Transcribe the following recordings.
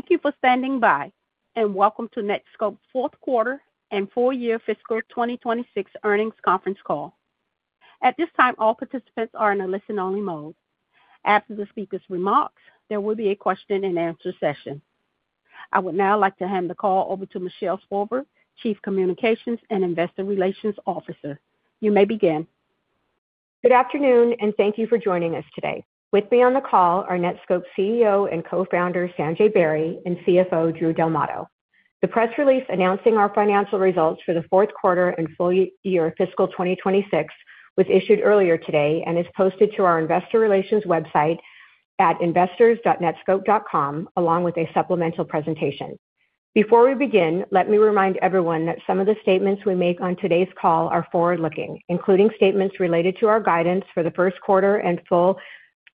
Thank you for standing by, and welcome to Netskope fourth quarter and full year fiscal 2026 earnings conference call. At this time, all participants are in a listen-only mode. After the speaker's remarks, there will be a question and answer session. I would now like to hand the call over to Michelle Spolver, Chief Communications and Investor Relations Officer. You may begin. Good afternoon, and thank you for joining us today. With me on the call are Netskope CEO and co-founder Sanjay Beri and CFO Drew Del Matto. The press release announcing our financial results for the fourth quarter and full year fiscal 2026 was issued earlier today and is posted to our investor relations website at investors.netskope.com, along with a supplemental presentation. Before we begin, let me remind everyone that some of the statements we make on today's call are forward-looking, including statements related to our guidance for the first quarter and full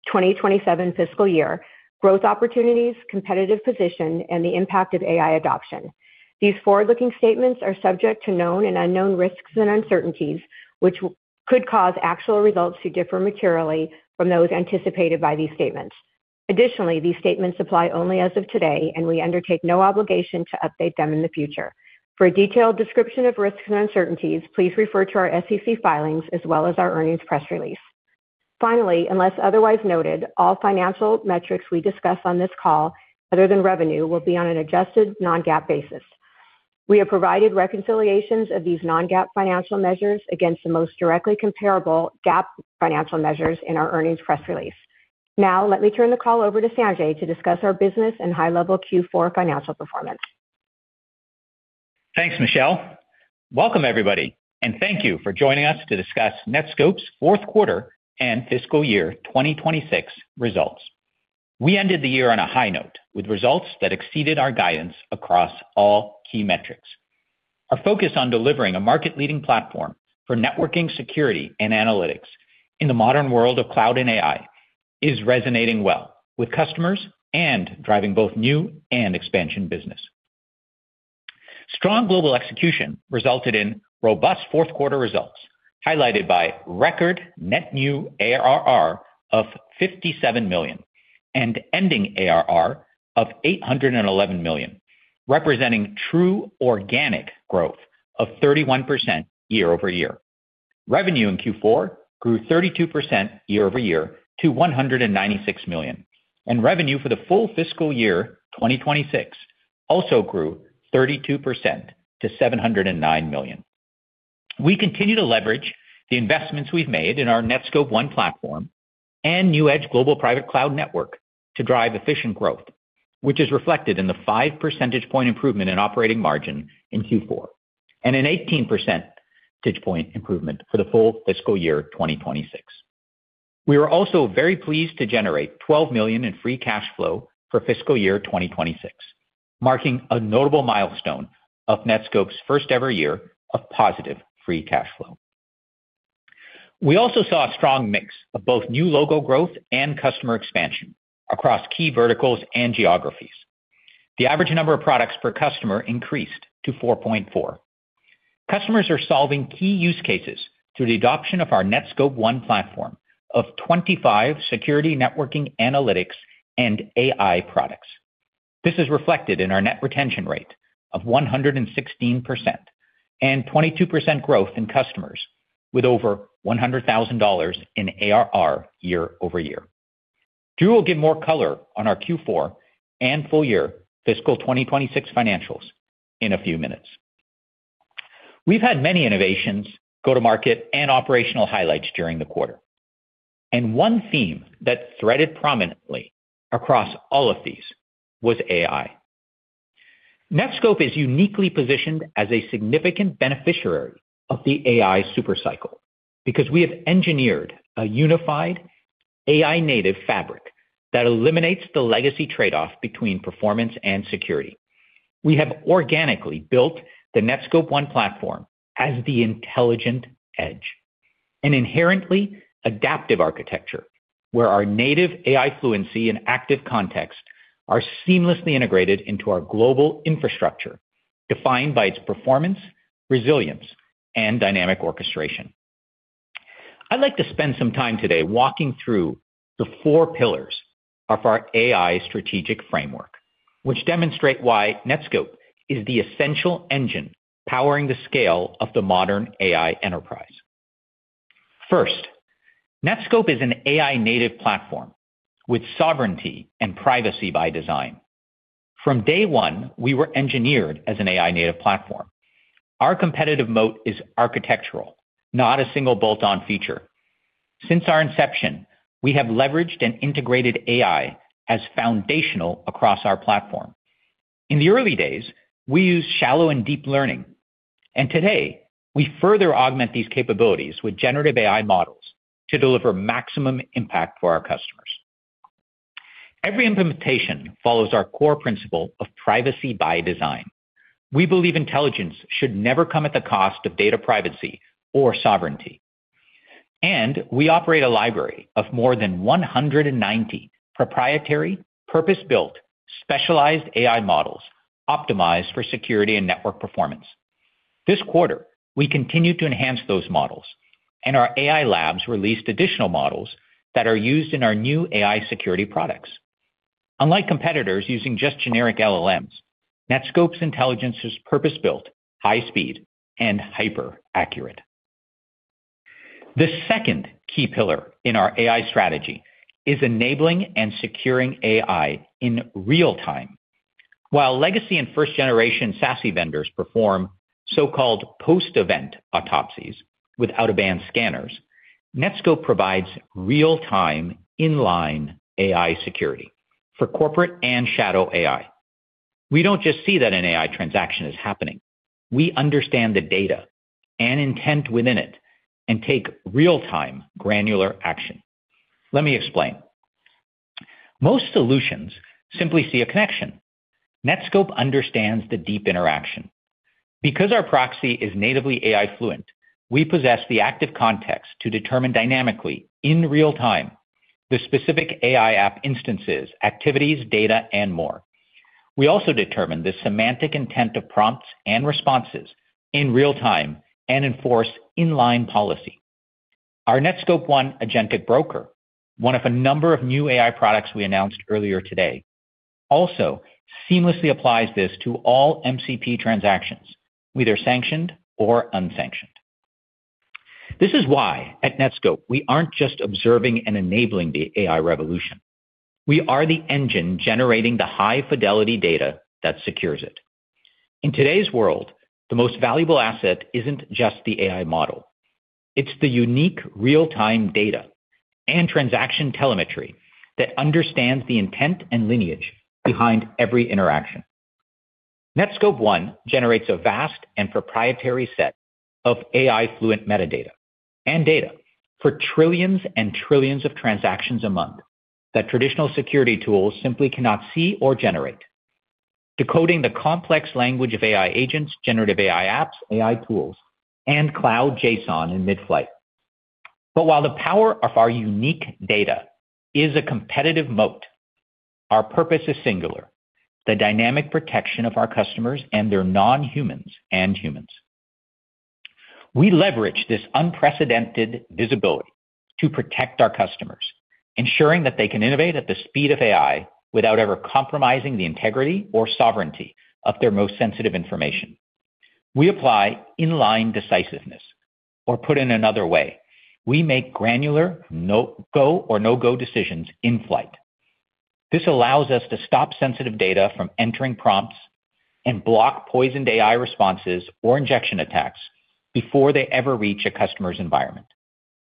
2027 fiscal year, growth opportunities, competitive position, and the impact of AI adoption. These forward-looking statements are subject to known and unknown risks and uncertainties, which could cause actual results to differ materially from those anticipated by these statements. Additionally, these statements apply only as of today, and we undertake no obligation to update them in the future. For a detailed description of risks and uncertainties, please refer to our SEC filings as well as our earnings press release. Finally, unless otherwise noted, all financial metrics we discuss on this call, other than revenue, will be on an adjusted non-GAAP basis. We have provided reconciliations of these non-GAAP financial measures against the most directly comparable GAAP financial measures in our earnings press release. Now let me turn the call over to Sanjay to discuss our business and high-level Q4 financial performance. Thanks, Michelle. Welcome, everybody, and thank you for joining us to discuss Netskope's fourth quarter and fiscal year 2026 results. We ended the year on a high note with results that exceeded our guidance across all key metrics. Our focus on delivering a market-leading platform for networking, security, and analytics in the modern world of cloud and AI is resonating well with customers and driving both new and expansion business. Strong global execution resulted in robust fourth quarter results, highlighted by record net new ARR of $57 million and ending ARR of $811 million, representing true organic growth of 31% year-over-year. Revenue in Q4 grew 32% year-over-year to $196 million, and revenue for the full fiscal year 2026 also grew 32% to $709 million. We continue to leverage the investments we've made in our Netskope One platform and NewEdge global private cloud network to drive efficient growth, which is reflected in the five percentage point improvement in operating margin in Q4 and an 18 percentage point improvement for the full fiscal year 2026. We were also very pleased to generate $12 million in free cash flow for fiscal year 2026, marking a notable milestone of Netskope's first-ever year of positive free cash flow. We also saw a strong mix of both new logo growth and customer expansion across key verticals and geographies. The average number of products per customer increased to 4.4. Customers are solving key use cases through the adoption of our Netskope One platform of 25 security, networking, analytics, and AI products. This is reflected in our net retention rate of 116% and 22% growth in customers with over $100,000 in ARR year-over-year. Drew will give more color on our Q4 and full year fiscal 2026 financials in a few minutes. We've had many innovations go to market and operational highlights during the quarter, and one theme that threaded prominently across all of these was AI. Netskope is uniquely positioned as a significant beneficiary of the AI super cycle because we have engineered a unified AI native fabric that eliminates the legacy trade-off between performance and security. We have organically built the Netskope One platform as the intelligent edge, an inherently adaptive architecture where our native AI fluency and active context are seamlessly integrated into our global infrastructure, defined by its performance, resilience, and dynamic orchestration. I'd like to spend some time today walking through the four pillars of our AI strategic framework, which demonstrate why Netskope is the essential engine powering the scale of the modern AI enterprise. First, Netskope is an AI native platform with sovereignty and privacy by design. From day one, we were engineered as an AI native platform. Our competitive mode is architectural, not a single bolt-on feature. Since our inception, we have leveraged and integrated AI as foundational across our platform. In the early days, we used shallow and deep learning, and today, we further augment these capabilities with generative AI models to deliver maximum impact for our customers. Every implementation follows our core principle of privacy by design. We believe intelligence should never come at the cost of data privacy or sovereignty, and we operate a library of more than 190 proprietary, purpose-built, specialized AI models optimized for security and network performance. This quarter, we continued to enhance those models, and our AI labs released additional models that are used in our new AI security products. Unlike competitors using just generic LLMs, Netskope's intelligence is purpose-built, high speed, and hyper-accurate. The second key pillar in our AI strategy is enabling and securing AI in real-time. While legacy and first-generation SASE vendors perform so-called post-event autopsies with out-of-band scanners, Netskope provides real-time inline AI security for corporate and shadow AI. We don't just see that an AI transaction is happening. We understand the data and intent within it and take real-time granular action. Let me explain. Most solutions simply see a connection. Netskope understands the deep interaction. Because our proxy is natively AI fluent, we possess the active context to determine dynamically in real time the specific AI app instances, activities, data, and more. We also determine the semantic intent of prompts and responses in real time and enforce inline policy. Our Netskope One Agentic Broker, one of a number of new AI products we announced earlier today, also seamlessly applies this to all MCP transactions, either sanctioned or unsanctioned. This is why at Netskope, we aren't just observing and enabling the AI revolution. We are the engine generating the high-fidelity data that secures it. In today's world, the most valuable asset isn't just the AI model. It's the unique real-time data and transaction telemetry that understands the intent and lineage behind every interaction. Netskope One generates a vast and proprietary set of AI fluent metadata and data for trillions and trillions of transactions a month that traditional security tools simply cannot see or generate, decoding the complex language of AI agents, generative AI apps, AI tools, and cloud JSON in mid-flight. While the power of our unique data is a competitive moat, our purpose is singular. The dynamic protection of our customers and their non-humans and humans. We leverage this unprecedented visibility to protect our customers, ensuring that they can innovate at the speed of AI without ever compromising the integrity or sovereignty of their most sensitive information. We apply inline decisiveness, or put in another way, we make granular no-go decisions in-flight. This allows us to stop sensitive data from entering prompts and block poisoned AI responses or injection attacks before they ever reach a customer's environment,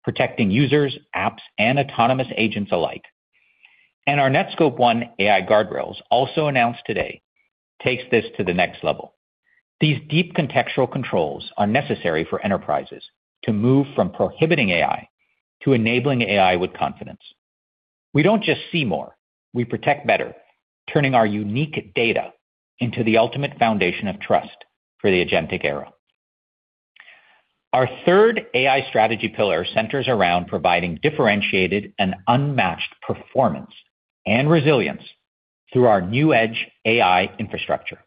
protecting users, apps, and autonomous agents alike. Our Netskope One AI Guardrails, also announced today, takes this to the next level. These deep contextual controls are necessary for enterprises to move from prohibiting AI to enabling AI with confidence. We don't just see more. We protect better, turning our unique data into the ultimate foundation of trust for the agentic era. Our third AI strategy pillar centers around providing differentiated and unmatched performance and resilience through our NewEdge AI infrastructure.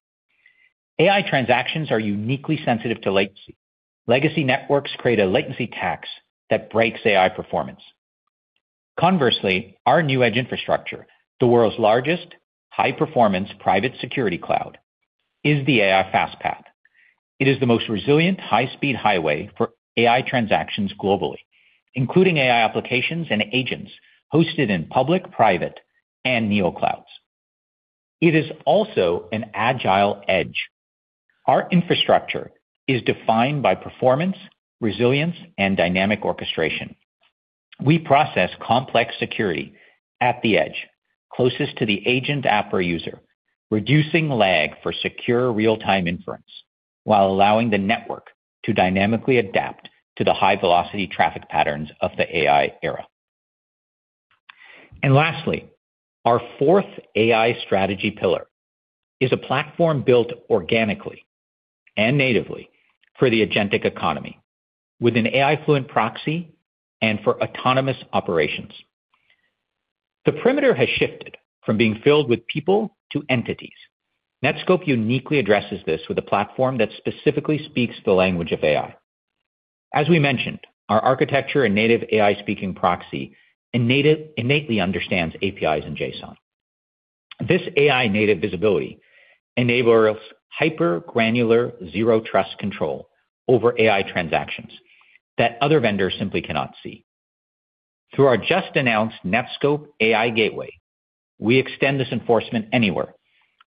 AI transactions are uniquely sensitive to latency. Legacy networks create a latency tax that breaks AI performance. Conversely, our NewEdge infrastructure, the world's largest high-performance private security cloud, is the AI Fast Path. It is the most resilient, high-speed highway for AI transactions globally, including AI applications and agents hosted in public, private, and neoclouds. It is also an agile edge. Our infrastructure is defined by performance, resilience, and dynamic orchestration. We process complex security at the edge, closest to the agent, app, or user, reducing lag for secure real-time inference while allowing the network to dynamically adapt to the high-velocity traffic patterns of the AI era. Lastly, our fourth AI strategy pillar is a platform built organically and natively for the agentic economy with an AI fluent proxy and for autonomous operations. The perimeter has shifted from being filled with people to entities. Netskope uniquely addresses this with a platform that specifically speaks the language of AI. As we mentioned, our architecture and native AI-speaking proxy innately understands APIs in JSON. This AI native visibility enables hyper granular, Zero Trust control over AI transactions that other vendors simply cannot see. Through our just-announced Netskope AI gateway, we extend this enforcement anywhere,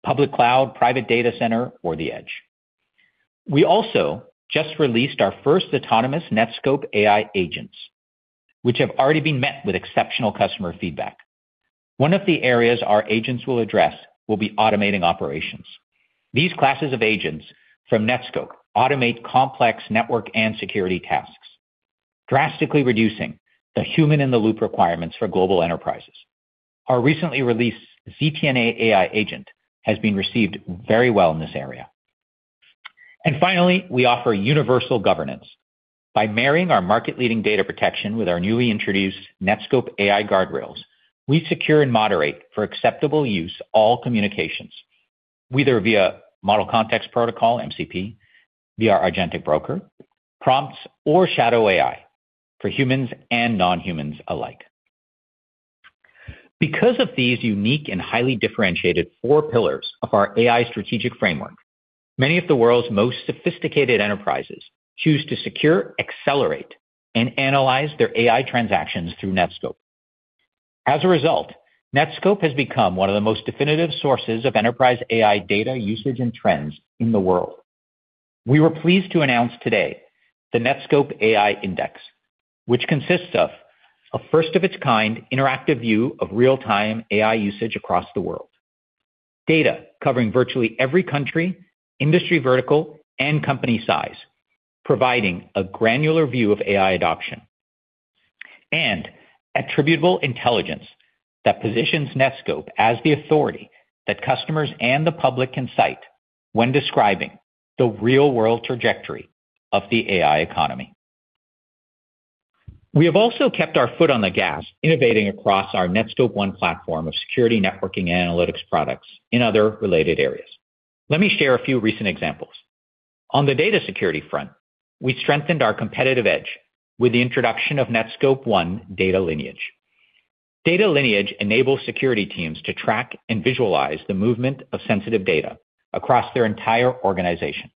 public cloud, private data center, or the edge. We also just released our first autonomous Netskope AI agents, which have already been met with exceptional customer feedback. One of the areas our agents will address will be automating operations. These classes of agents from Netskope automate complex network and security tasks, drastically reducing the human in the loop requirements for global enterprises. Our recently released ZTNA AI agent has been received very well in this area. Finally, we offer universal governance. By marrying our market-leading data protection with our newly introduced Netskope AI Guardrails, we secure and moderate for acceptable use all communications, whether via model context protocol, MCP, via our agentic broker, prompts or shadow AI for humans and non-humans alike. Because of these unique and highly differentiated four pillars of our AI strategic framework, many of the world's most sophisticated enterprises choose to secure, accelerate, and analyze their AI transactions through Netskope. As a result, Netskope has become one of the most definitive sources of enterprise AI data usage and trends in the world. We were pleased to announce today the Netskope AI Index, which consists of a first-of-its-kind interactive view of real-time AI usage across the world. Data covering virtually every country, industry vertical, and company size, providing a granular view of AI adoption and attributable intelligence that positions Netskope as the authority that customers and the public can cite when describing the real-world trajectory of the AI economy. We have also kept our foot on the gas, innovating across our Netskope One platform of security networking analytics products in other related areas. Let me share a few recent examples. On the data security front, we strengthened our competitive edge with the introduction of Netskope One Data Lineage. Data Lineage enables security teams to track and visualize the movement of sensitive data across their entire organization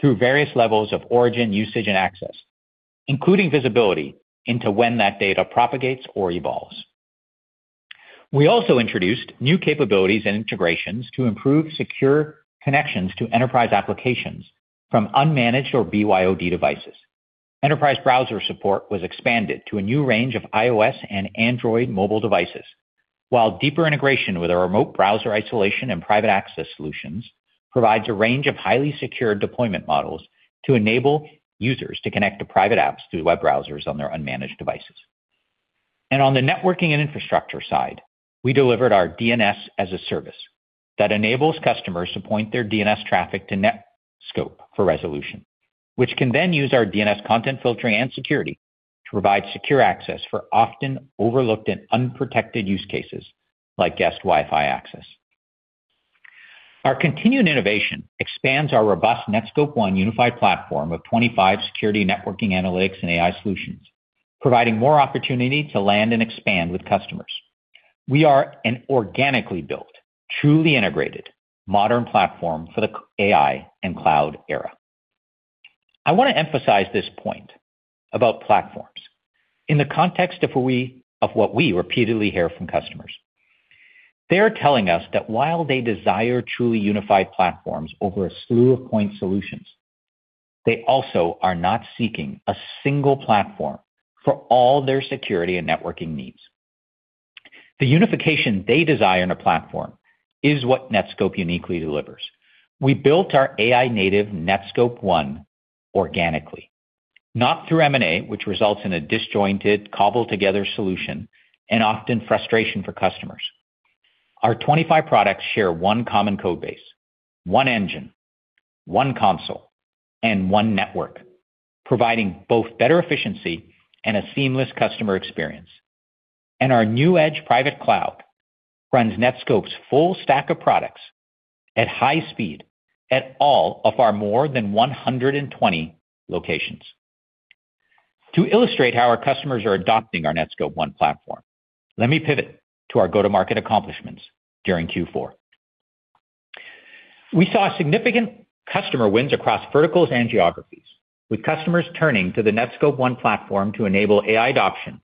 through various levels of origin, usage, and access, including visibility into when that data propagates or evolves. We also introduced new capabilities and integrations to improve secure connections to enterprise applications from unmanaged or BYOD devices. Enterprise browser support was expanded to a new range of iOS and Android mobile devices, while deeper integration with our Remote Browser Isolation and private access solutions provides a range of highly secured deployment models to enable users to connect to private apps through web browsers on their unmanaged devices. On the networking and infrastructure side, we delivered our DNS as a service that enables customers to point their DNS traffic to Netskope for resolution, which can then use our DNS content filtering and security to provide secure access for often overlooked and unprotected use cases like guest Wi-Fi access. Our continued innovation expands our robust Netskope One unified platform of 25 security, networking, analytics, and AI solutions, providing more opportunity to land and expand with customers. We are an organically built, truly integrated modern platform for the AI and cloud era. I want to emphasize this point about platforms in the context of of what we repeatedly hear from customers. They are telling us that while they desire truly unified platforms over a slew of point solutions, they also are not seeking a single platform for all their security and networking needs. The unification they desire in a platform is what Netskope uniquely delivers. We built our AI native Netskope One organically, not through M&A, which results in a disjointed, cobbled-together solution and often frustration for customers. Our 25 products share one common code base, one engine, one console, and one network, providing both better efficiency and a seamless customer experience. Our new NewEdge Private Cloud runs Netskope's full stack of products at high speed at all of our more than 120 locations. To illustrate how our customers are adopting our Netskope One platform, let me pivot to our go-to-market accomplishments during Q4. We saw significant customer wins across verticals and geographies, with customers turning to the Netskope One platform to enable AI adoption,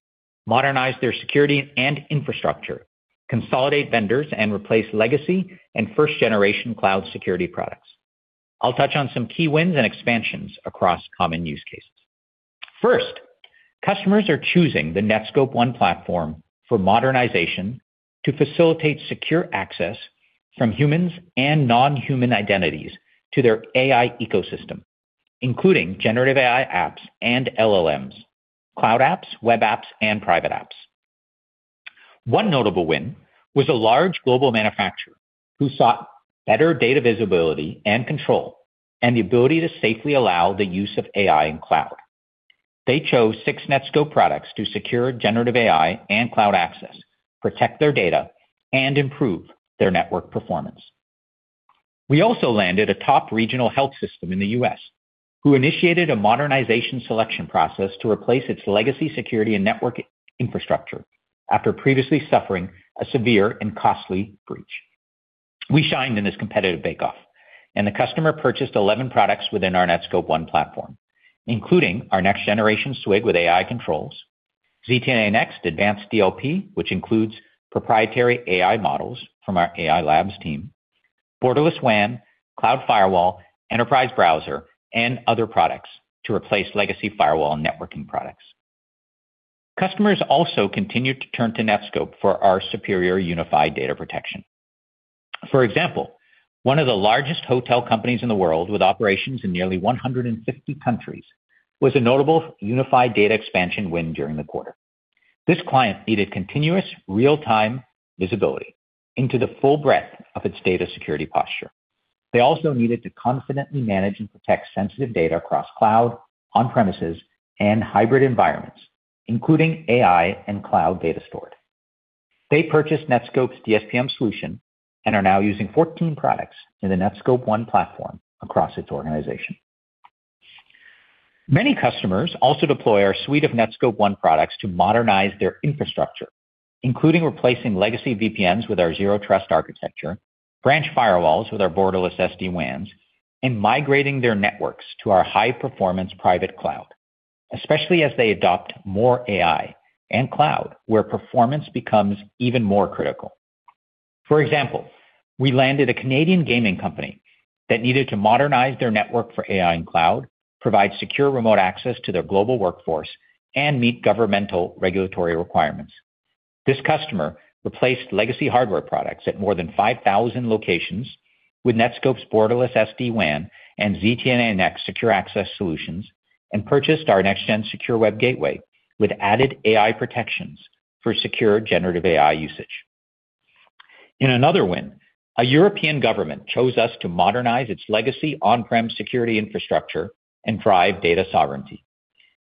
modernize their security and infrastructure, consolidate vendors, and replace legacy and first-generation cloud security products. I'll touch on some key wins and expansions across common use cases. First, customers are choosing the Netskope One platform for modernization to facilitate secure access from humans and non-human identities to their AI ecosystem, including generative AI apps and LLMs, cloud apps, web apps, and private apps. One notable win was a large global manufacturer who sought better data visibility and control and the ability to safely allow the use of AI in cloud. They chose 6 Netskope products to secure generative AI and cloud access, protect their data, and improve their network performance. We also landed a top regional health system in the U.S. who initiated a modernization selection process to replace its legacy security and network infrastructure after previously suffering a severe and costly breach. We shined in this competitive bake-off, and the customer purchased 11 products within our Netskope One platform, including our next-generation SWG with AI controls, ZTNA Next Advanced DLP, which includes proprietary AI models from our AI labs team, Borderless WAN, Cloud Firewall, Enterprise Browser, and other products to replace legacy firewall and networking products. Customers also continued to turn to Netskope for our superior unified data protection. For example, one of the largest hotel companies in the world with operations in nearly 150 countries was a notable unified data expansion win during the quarter. This client needed continuous real-time visibility into the full breadth of its data security posture. They also needed to confidently manage and protect sensitive data across cloud, on-premises, and hybrid environments, including AI and cloud data stored. They purchased Netskope's DSPM solution and are now using 14 products in the Netskope One platform across its organization. Many customers also deploy our suite of Netskope One products to modernize their infrastructure, including replacing legacy VPNs with our Zero Trust architecture, branch firewalls with our Borderless SD-WANs, and migrating their networks to our high-performance private cloud, especially as they adopt more AI and cloud, where performance becomes even more critical. For example, we landed a Canadian gaming company that needed to modernize their network for AI and cloud, provide secure remote access to their global workforce, and meet governmental regulatory requirements. This customer replaced legacy hardware products at more than 5,000 locations with Netskope's Borderless SD-WAN and ZTNA Next Secure Access solutions and purchased our next gen secure web gateway with added AI protections for secure generative AI usage. In another win, a European government chose us to modernize its legacy on-prem security infrastructure and drive data sovereignty.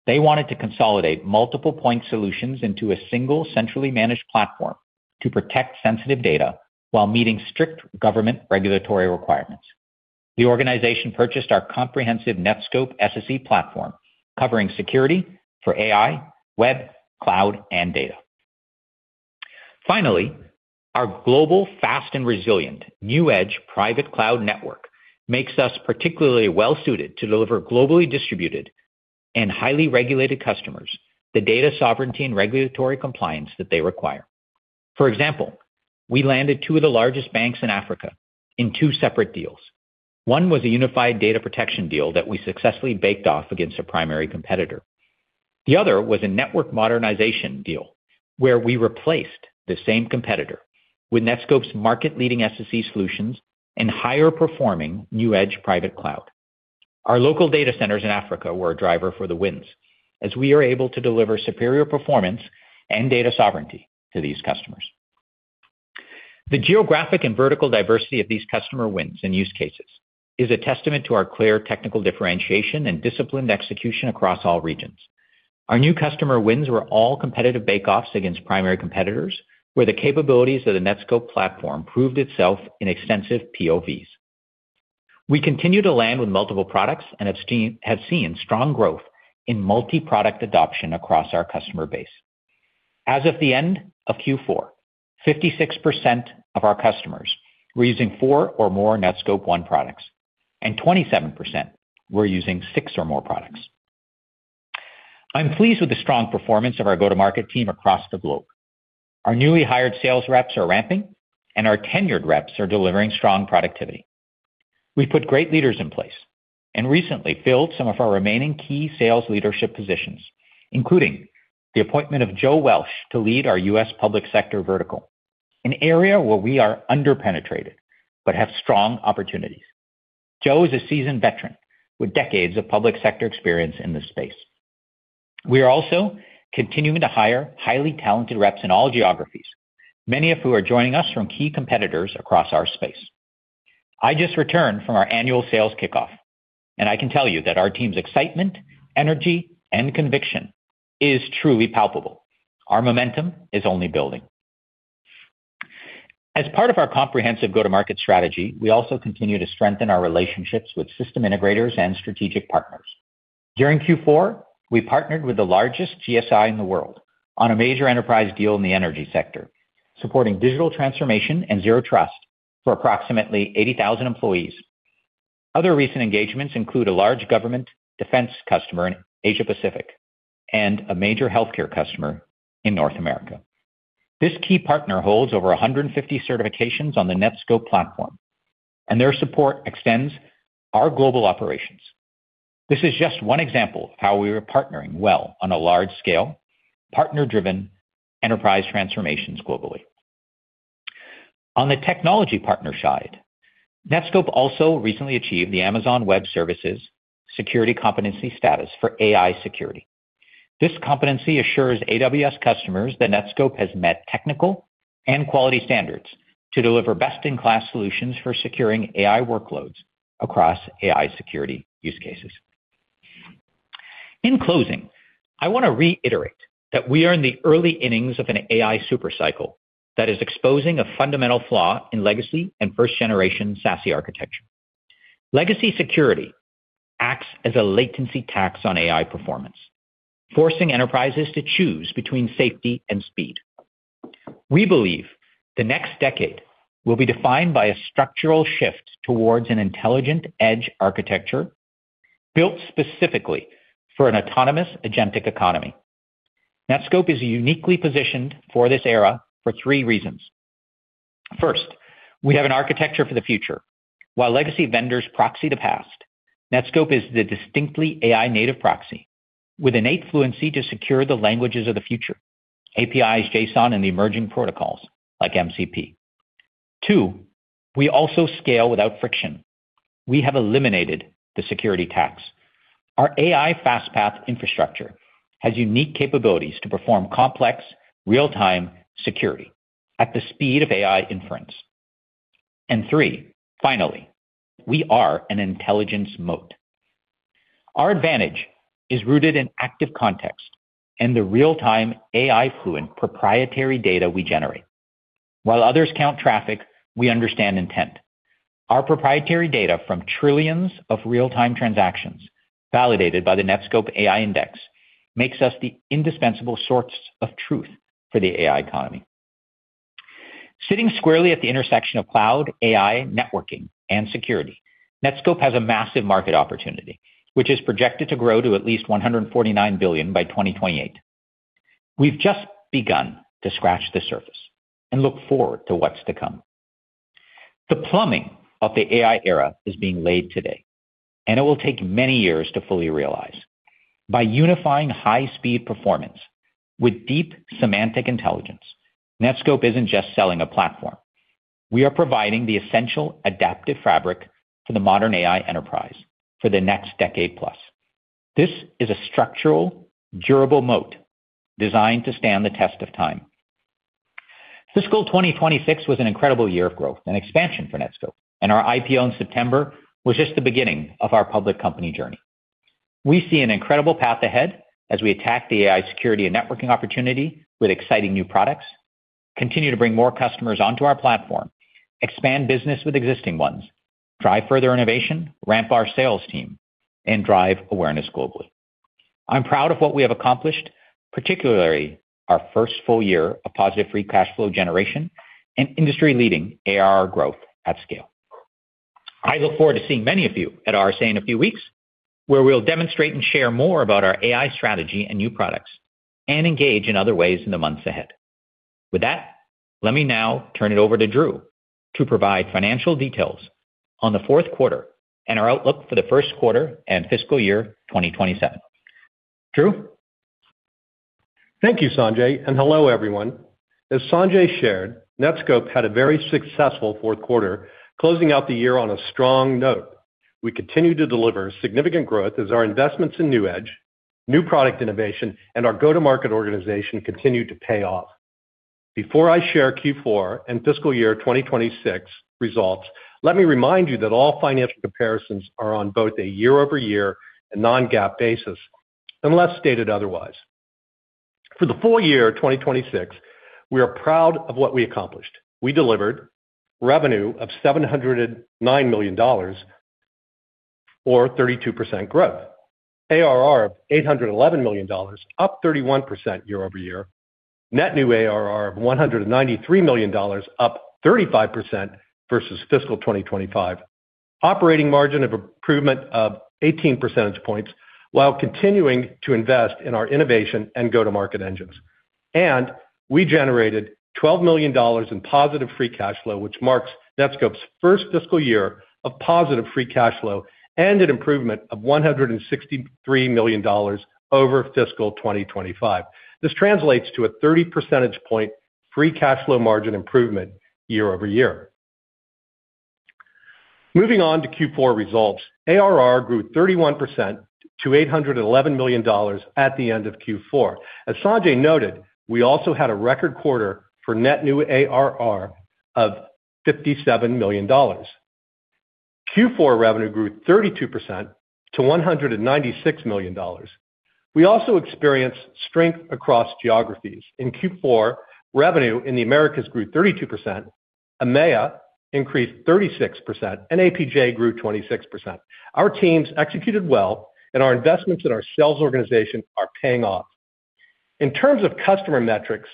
They wanted to consolidate multiple point solutions into a single centrally managed platform to protect sensitive data while meeting strict government regulatory requirements. The organization purchased our comprehensive Netskope SSE platform, covering security for AI, web, cloud, and data. Finally, our global fast and resilient NewEdge private cloud network makes us particularly well suited to deliver globally distributed and highly regulated customers the data sovereignty and regulatory compliance that they require. For example, we landed two of the largest banks in Africa in two separate deals. One was a unified data protection deal that we successfully bake-off against a primary competitor. The other was a network modernization deal where we replaced the same competitor with Netskope's market-leading SSE solutions and higher performing NewEdge private cloud. Our local data centers in Africa were a driver for the wins as we are able to deliver superior performance and data sovereignty to these customers. The geographic and vertical diversity of these customer wins and use cases is a testament to our clear technical differentiation and disciplined execution across all regions. Our new customer wins were all competitive bake-offs against primary competitors, where the capabilities of the Netskope platform proved itself in extensive POVs. We continue to land with multiple products and have seen strong growth in multi-product adoption across our customer base. As of the end of Q4, 56% of our customers were using four or more Netskope One products, and 27% were using six or more products. I'm pleased with the strong performance of our go-to-market team across the globe. Our newly hired sales reps are ramping, and our tenured reps are delivering strong productivity. We've put great leaders in place and recently filled some of our remaining key sales leadership positions, including the appointment of Joe Welch to lead our U.S. public sector vertical, an area where we are under-penetrated but have strong opportunities. Joe is a seasoned veteran with decades of public sector experience in this space. We are also continuing to hire highly talented reps in all geographies, many of who are joining us from key competitors across our space. I just returned from our annual sales kickoff, and I can tell you that our team's excitement, energy, and conviction is truly palpable. Our momentum is only building. As part of our comprehensive go-to-market strategy, we also continue to strengthen our relationships with system integrators and strategic partners. During Q4, we partnered with the largest GSI in the world on a major enterprise deal in the energy sector, supporting digital transformation and Zero Trust for approximately 80,000 employees. Other recent engagements include a large government defense customer in Asia-Pacific and a major healthcare customer in North America. This key partner holds over 150 certifications on the Netskope platform, and their support extends our global operations. This is just one example of how we are partnering well on a large scale, partner-driven enterprise transformations globally. On the technology partner side, Netskope also recently achieved the Amazon Web Services security competency status for AI security. This competency assures AWS customers that Netskope has met technical and quality standards to deliver best-in-class solutions for securing AI workloads across AI security use cases. In closing, I want to reiterate that we are in the early innings of an AI super cycle that is exposing a fundamental flaw in legacy and first generation SASE architecture. Legacy security acts as a latency tax on AI performance, forcing enterprises to choose between safety and speed. We believe the next decade will be defined by a structural shift towards an intelligent edge architecture built specifically for an autonomous agentic economy. Netskope is uniquely positioned for this era for three reasons. First, we have an architecture for the future. While legacy vendors proxy the past, Netskope is the distinctly AI native proxy with innate fluency to secure the languages of the future, APIs, JSON, and the emerging protocols like MCP. Two, we also scale without friction. We have eliminated the security tax. Our AI fast path infrastructure has unique capabilities to perform complex real-time security at the speed of AI inference. Three, finally, we are an intelligence moat. Our advantage is rooted in active context and the real-time AI fluent proprietary data we generate. While others count traffic, we understand intent. Our proprietary data from trillions of real-time transactions validated by the Netskope AI Index makes us the indispensable source of truth for the AI economy. Sitting squarely at the intersection of cloud, AI, networking, and security, Netskope has a massive market opportunity, which is projected to grow to at least $149 billion by 2028. We've just begun to scratch the surface and look forward to what's to come. The plumbing of the AI era is being laid today, and it will take many years to fully realize. By unifying high-speed performance with deep semantic intelligence, Netskope isn't just selling a platform. We are providing the essential adaptive fabric for the modern AI enterprise for the next decade plus. This is a structural, durable moat designed to stand the test of time. Fiscal 2026 was an incredible year of growth and expansion for Netskope, and our IPO in September was just the beginning of our public company journey. We see an incredible path ahead as we attack the AI security and networking opportunity with exciting new products, continue to bring more customers onto our platform, expand business with existing ones, drive further innovation, ramp our sales team, and drive awareness globally. I'm proud of what we have accomplished, particularly our first full year of positive free cash flow generation and industry-leading ARR growth at scale. I look forward to seeing many of you at RSA in a few weeks, where we'll demonstrate and share more about our AI strategy and new products and engage in other ways in the months ahead. With that, let me now turn it over to Drew to provide financial details on the fourth quarter and our outlook for the first quarter and fiscal year 2027. Drew? Thank you, Sanjay, and hello, everyone. As Sanjay shared, Netskope had a very successful fourth quarter, closing out the year on a strong note. We continue to deliver significant growth as our investments in NewEdge, new product innovation, and our go-to-market organization continue to pay off. Before I share Q4 and fiscal year 2026 results, let me remind you that all financial comparisons are on both a year-over-year and non-GAAP basis, unless stated otherwise. For the full year 2026, we are proud of what we accomplished. We delivered revenue of $709 million or 32% growth. ARR of $811 million, up 31% year over year. Net new ARR of $193 million, up 35% versus fiscal 2025. Operating margin of improvement of 18 percentage points while continuing to invest in our innovation and go-to-market engines. We generated $12 million in positive free cash flow, which marks Netskope's first fiscal year of positive free cash flow and an improvement of $163 million over fiscal 2025. This translates to a 30 percentage point free cash flow margin improvement year-over-year. Moving on to Q4 results. ARR grew 31% to $811 million at the end of Q4. As Sanjay noted, we also had a record quarter for net new ARR of $57 million. Q4 revenue grew 32% to $196 million. We also experienced strength across geographies. In Q4, revenue in the Americas grew 32%, EMEA increased 36%, and APJ grew 26%. Our teams executed well, and our investments in our sales organization are paying off. In terms of customer metrics,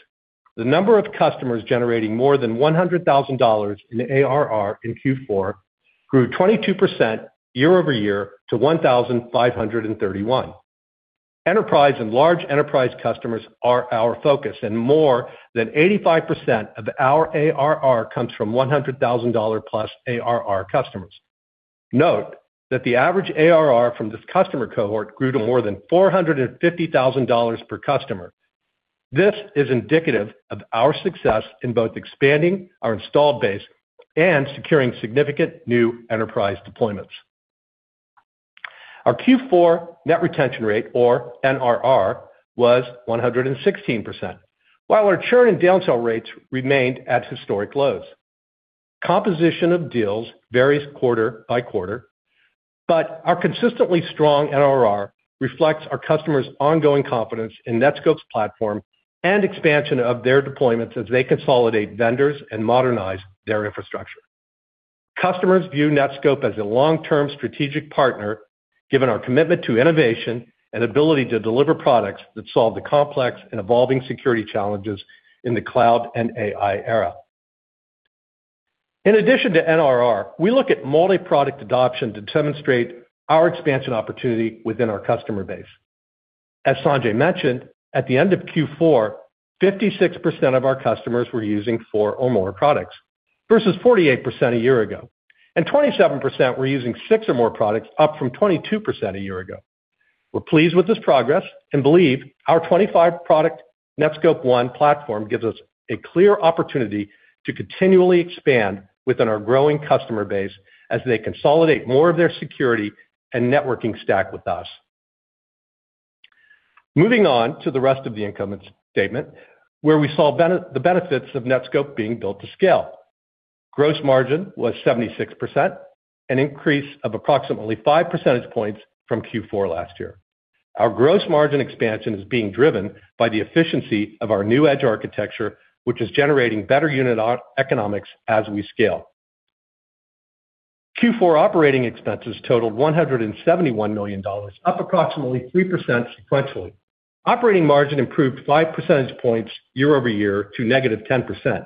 the number of customers generating more than $100,000 in ARR in Q4 grew 22% year-over-year to 1,531. Enterprise and large enterprise customers are our focus, and more than 85% of our ARR comes from $100,000-plus ARR customers. Note that the average ARR from this customer cohort grew to more than $450,000 per customer. This is indicative of our success in both expanding our installed base and securing significant new enterprise deployments. Our Q4 net retention rate or NRR was 116%. While our churn and down sell rates remained at historic lows. Composition of deals varies quarter by quarter, but our consistently strong NRR reflects our customers' ongoing confidence in Netskope's platform and expansion of their deployments as they consolidate vendors and modernize their infrastructure. Customers view Netskope as a long-term strategic partner, given our commitment to innovation and ability to deliver products that solve the complex and evolving security challenges in the cloud and AI era. In addition to NRR, we look at multi-product adoption to demonstrate our expansion opportunity within our customer base. As Sanjay mentioned, at the end of Q4, 56% of our customers were using four or more products, versus 48% a year ago, and 27% were using six or more products, up from 22% a year ago. We're pleased with this progress and believe our 25-product Netskope One platform gives us a clear opportunity to continually expand within our growing customer base as they consolidate more of their security and networking stack with us. Moving on to the rest of the income statement, where we saw the benefits of Netskope being built to scale. Gross margin was 76%, an increase of approximately five percentage points from Q4 last year. Our gross margin expansion is being driven by the efficiency of our NewEdge architecture, which is generating better unit economics as we scale. Q4 operating expenses totaled $171 million, up approximately 3% sequentially. Operating margin improved 5 percentage points year-over-year to -10%.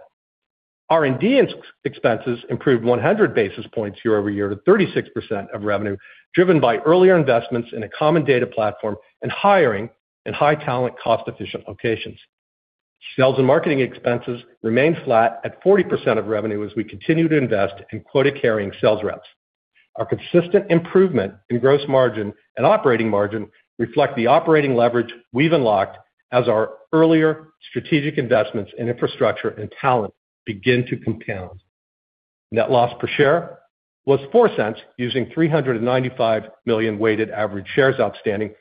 R&D expenses improved 100 basis points year-over-year to 36% of revenue, driven by earlier investments in a common data platform and hiring in high-talent, cost-efficient locations. Sales and marketing expenses remained flat at 40% of revenue as we continue to invest in quota-carrying sales reps. Our consistent improvement in gross margin and operating margin reflect the operating leverage we've unlocked as our earlier strategic investments in infrastructure and talent begin to compound. Net loss per share was $0.04 using 395 million weighted average shares outstanding.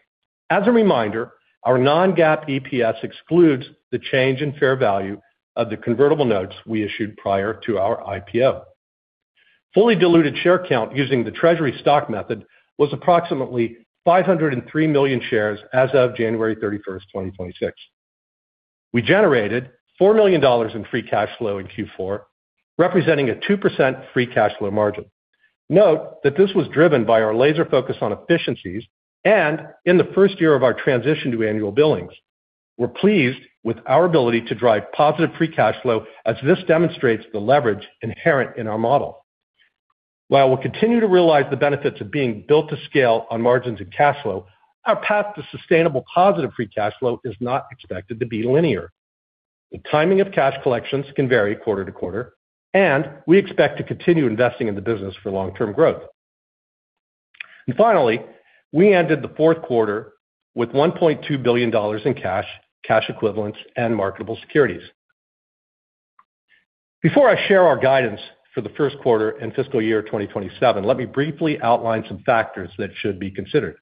As a reminder, our non-GAAP EPS excludes the change in fair value of the convertible notes we issued prior to our IPO. Fully diluted share count using the treasury stock method was approximately 503 million shares as of January 31st, 2026. We generated $4 million in free cash flow in Q4, representing a 2% free cash flow margin. Note that this was driven by our laser focus on efficiencies and in the first year of our transition to annual billings. We're pleased with our ability to drive positive free cash flow as this demonstrates the leverage inherent in our model. While we'll continue to realize the benefits of being built to scale on margins and cash flow, our path to sustainable positive free cash flow is not expected to be linear. The timing of cash collections can vary quarter to quarter, and we expect to continue investing in the business for long-term growth. Finally, we ended the fourth quarter with $1.2 billion in cash equivalents, and marketable securities. Before I share our guidance for the first quarter and fiscal year 2027, let me briefly outline some factors that should be considered.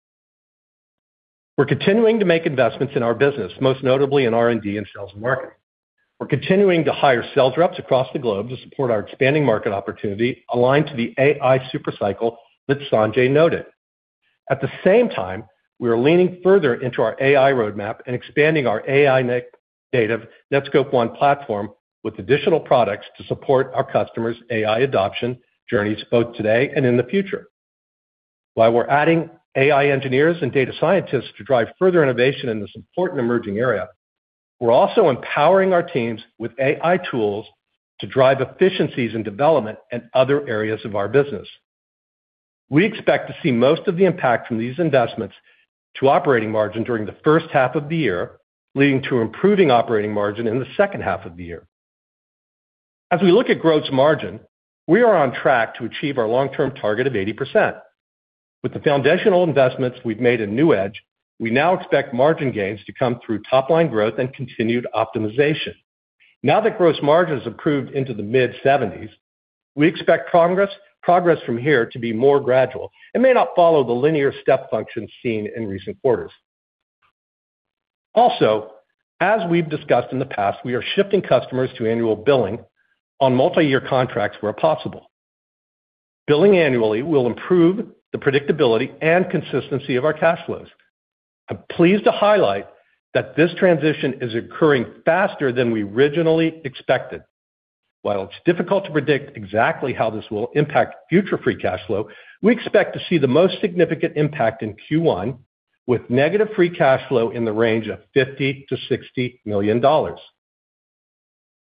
We're continuing to make investments in our business, most notably in R&D and sales and marketing. We're continuing to hire sales reps across the globe to support our expanding market opportunity aligned to the AI super cycle that Sanjay noted. At the same time, we are leaning further into our AI roadmap and expanding our AI-native Netskope One platform with additional products to support our customers' AI adoption journeys, both today and in the future. While we're adding AI engineers and data scientists to drive further innovation in this important emerging area, we're also empowering our teams with AI tools to drive efficiencies in development and other areas of our business. We expect to see most of the impact from these investments to operating margin during the first half of the year, leading to improving operating margin in the second half of the year. As we look at gross margin, we are on track to achieve our long-term target of 80%. With the foundational investments we've made in NewEdge, we now expect margin gains to come through top-line growth and continued optimization. Now that gross margin has improved into the mid-70s%, we expect progress from here to be more gradual and may not follow the linear step function seen in recent quarters. Also, as we've discussed in the past, we are shifting customers to annual billing on multi-year contracts where possible. Billing annually will improve the predictability and consistency of our cash flows. I'm pleased to highlight that this transition is occurring faster than we originally expected. While it's difficult to predict exactly how this will impact future free cash flow, we expect to see the most significant impact in Q1 with negative free cash flow in the range of $50-$60 million.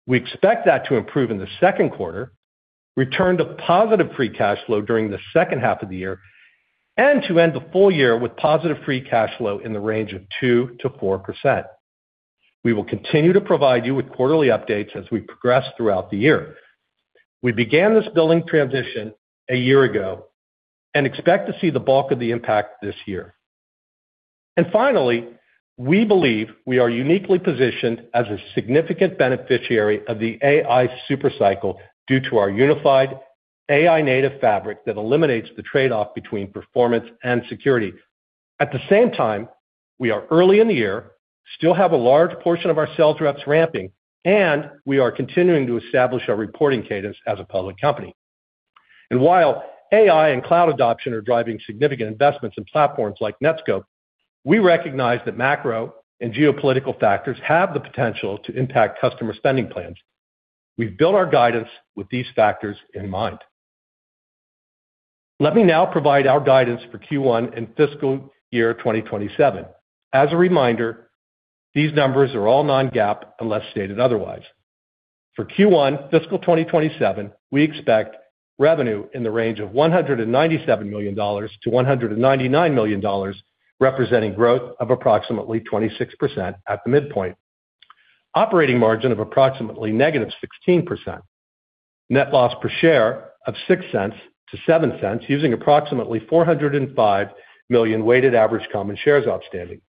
We expect that to improve in the second quarter, return to positive free cash flow during the second half of the year, and to end the full year with positive free cash flow in the range of 2%-4%. We will continue to provide you with quarterly updates as we progress throughout the year. We began this billing transition a year ago and expect to see the bulk of the impact this year. Finally, we believe we are uniquely positioned as a significant beneficiary of the AI super cycle due to our unified AI-native fabric that eliminates the trade-off between performance and security. At the same time, we are early in the year, still have a large portion of our sales reps ramping, and we are continuing to establish our reporting cadence as a public company. While AI and cloud adoption are driving significant investments in platforms like Netskope, we recognize that macro and geopolitical factors have the potential to impact customer spending plans. We've built our guidance with these factors in mind. Let me now provide our guidance for Q1 and fiscal year 2027. As a reminder, these numbers are all non-GAAP unless stated otherwise. For Q1 fiscal 2027, we expect revenue in the range of $197 million-$199 million, representing growth of approximately 26% at the midpoint. Operating margin of approximately -16%. Net loss per share of $0.06-$0.07, using approximately 405 million weighted average common shares outstanding.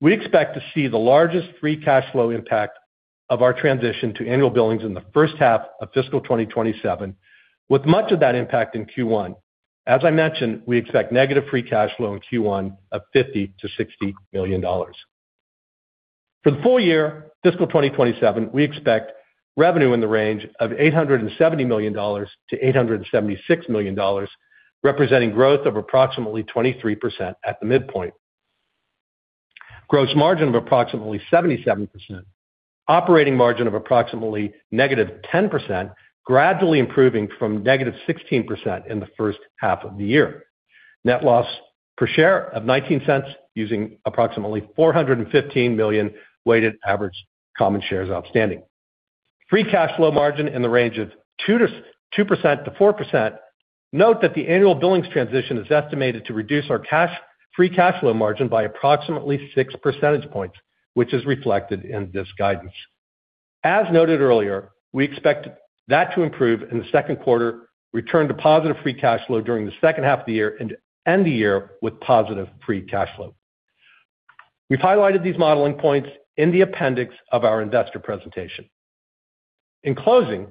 We expect to see the largest free cash flow impact of our transition to annual billings in the first half of fiscal 2027, with much of that impact in Q1. As I mentioned, we expect negative free cash flow in Q1 of $50 million-$60 million. For the full year fiscal 2027, we expect revenue in the range of $870 million-$876 million, representing growth of approximately 23% at the midpoint. Gross margin of approximately 77%. Operating margin of approximately -10%, gradually improving from -16% in the first half of the year. Net loss per share of $0.19, using approximately 415 million weighted average common shares outstanding. Free cash flow margin in the range of 2%-4%. Note that the annual billings transition is estimated to reduce our free cash flow margin by approximately six percentage points, which is reflected in this guidance. As noted earlier, we expect that to improve in the second quarter, return to positive free cash flow during the second half of the year, and end the year with positive free cash flow. We've highlighted these modeling points in the appendix of our investor presentation. In closing,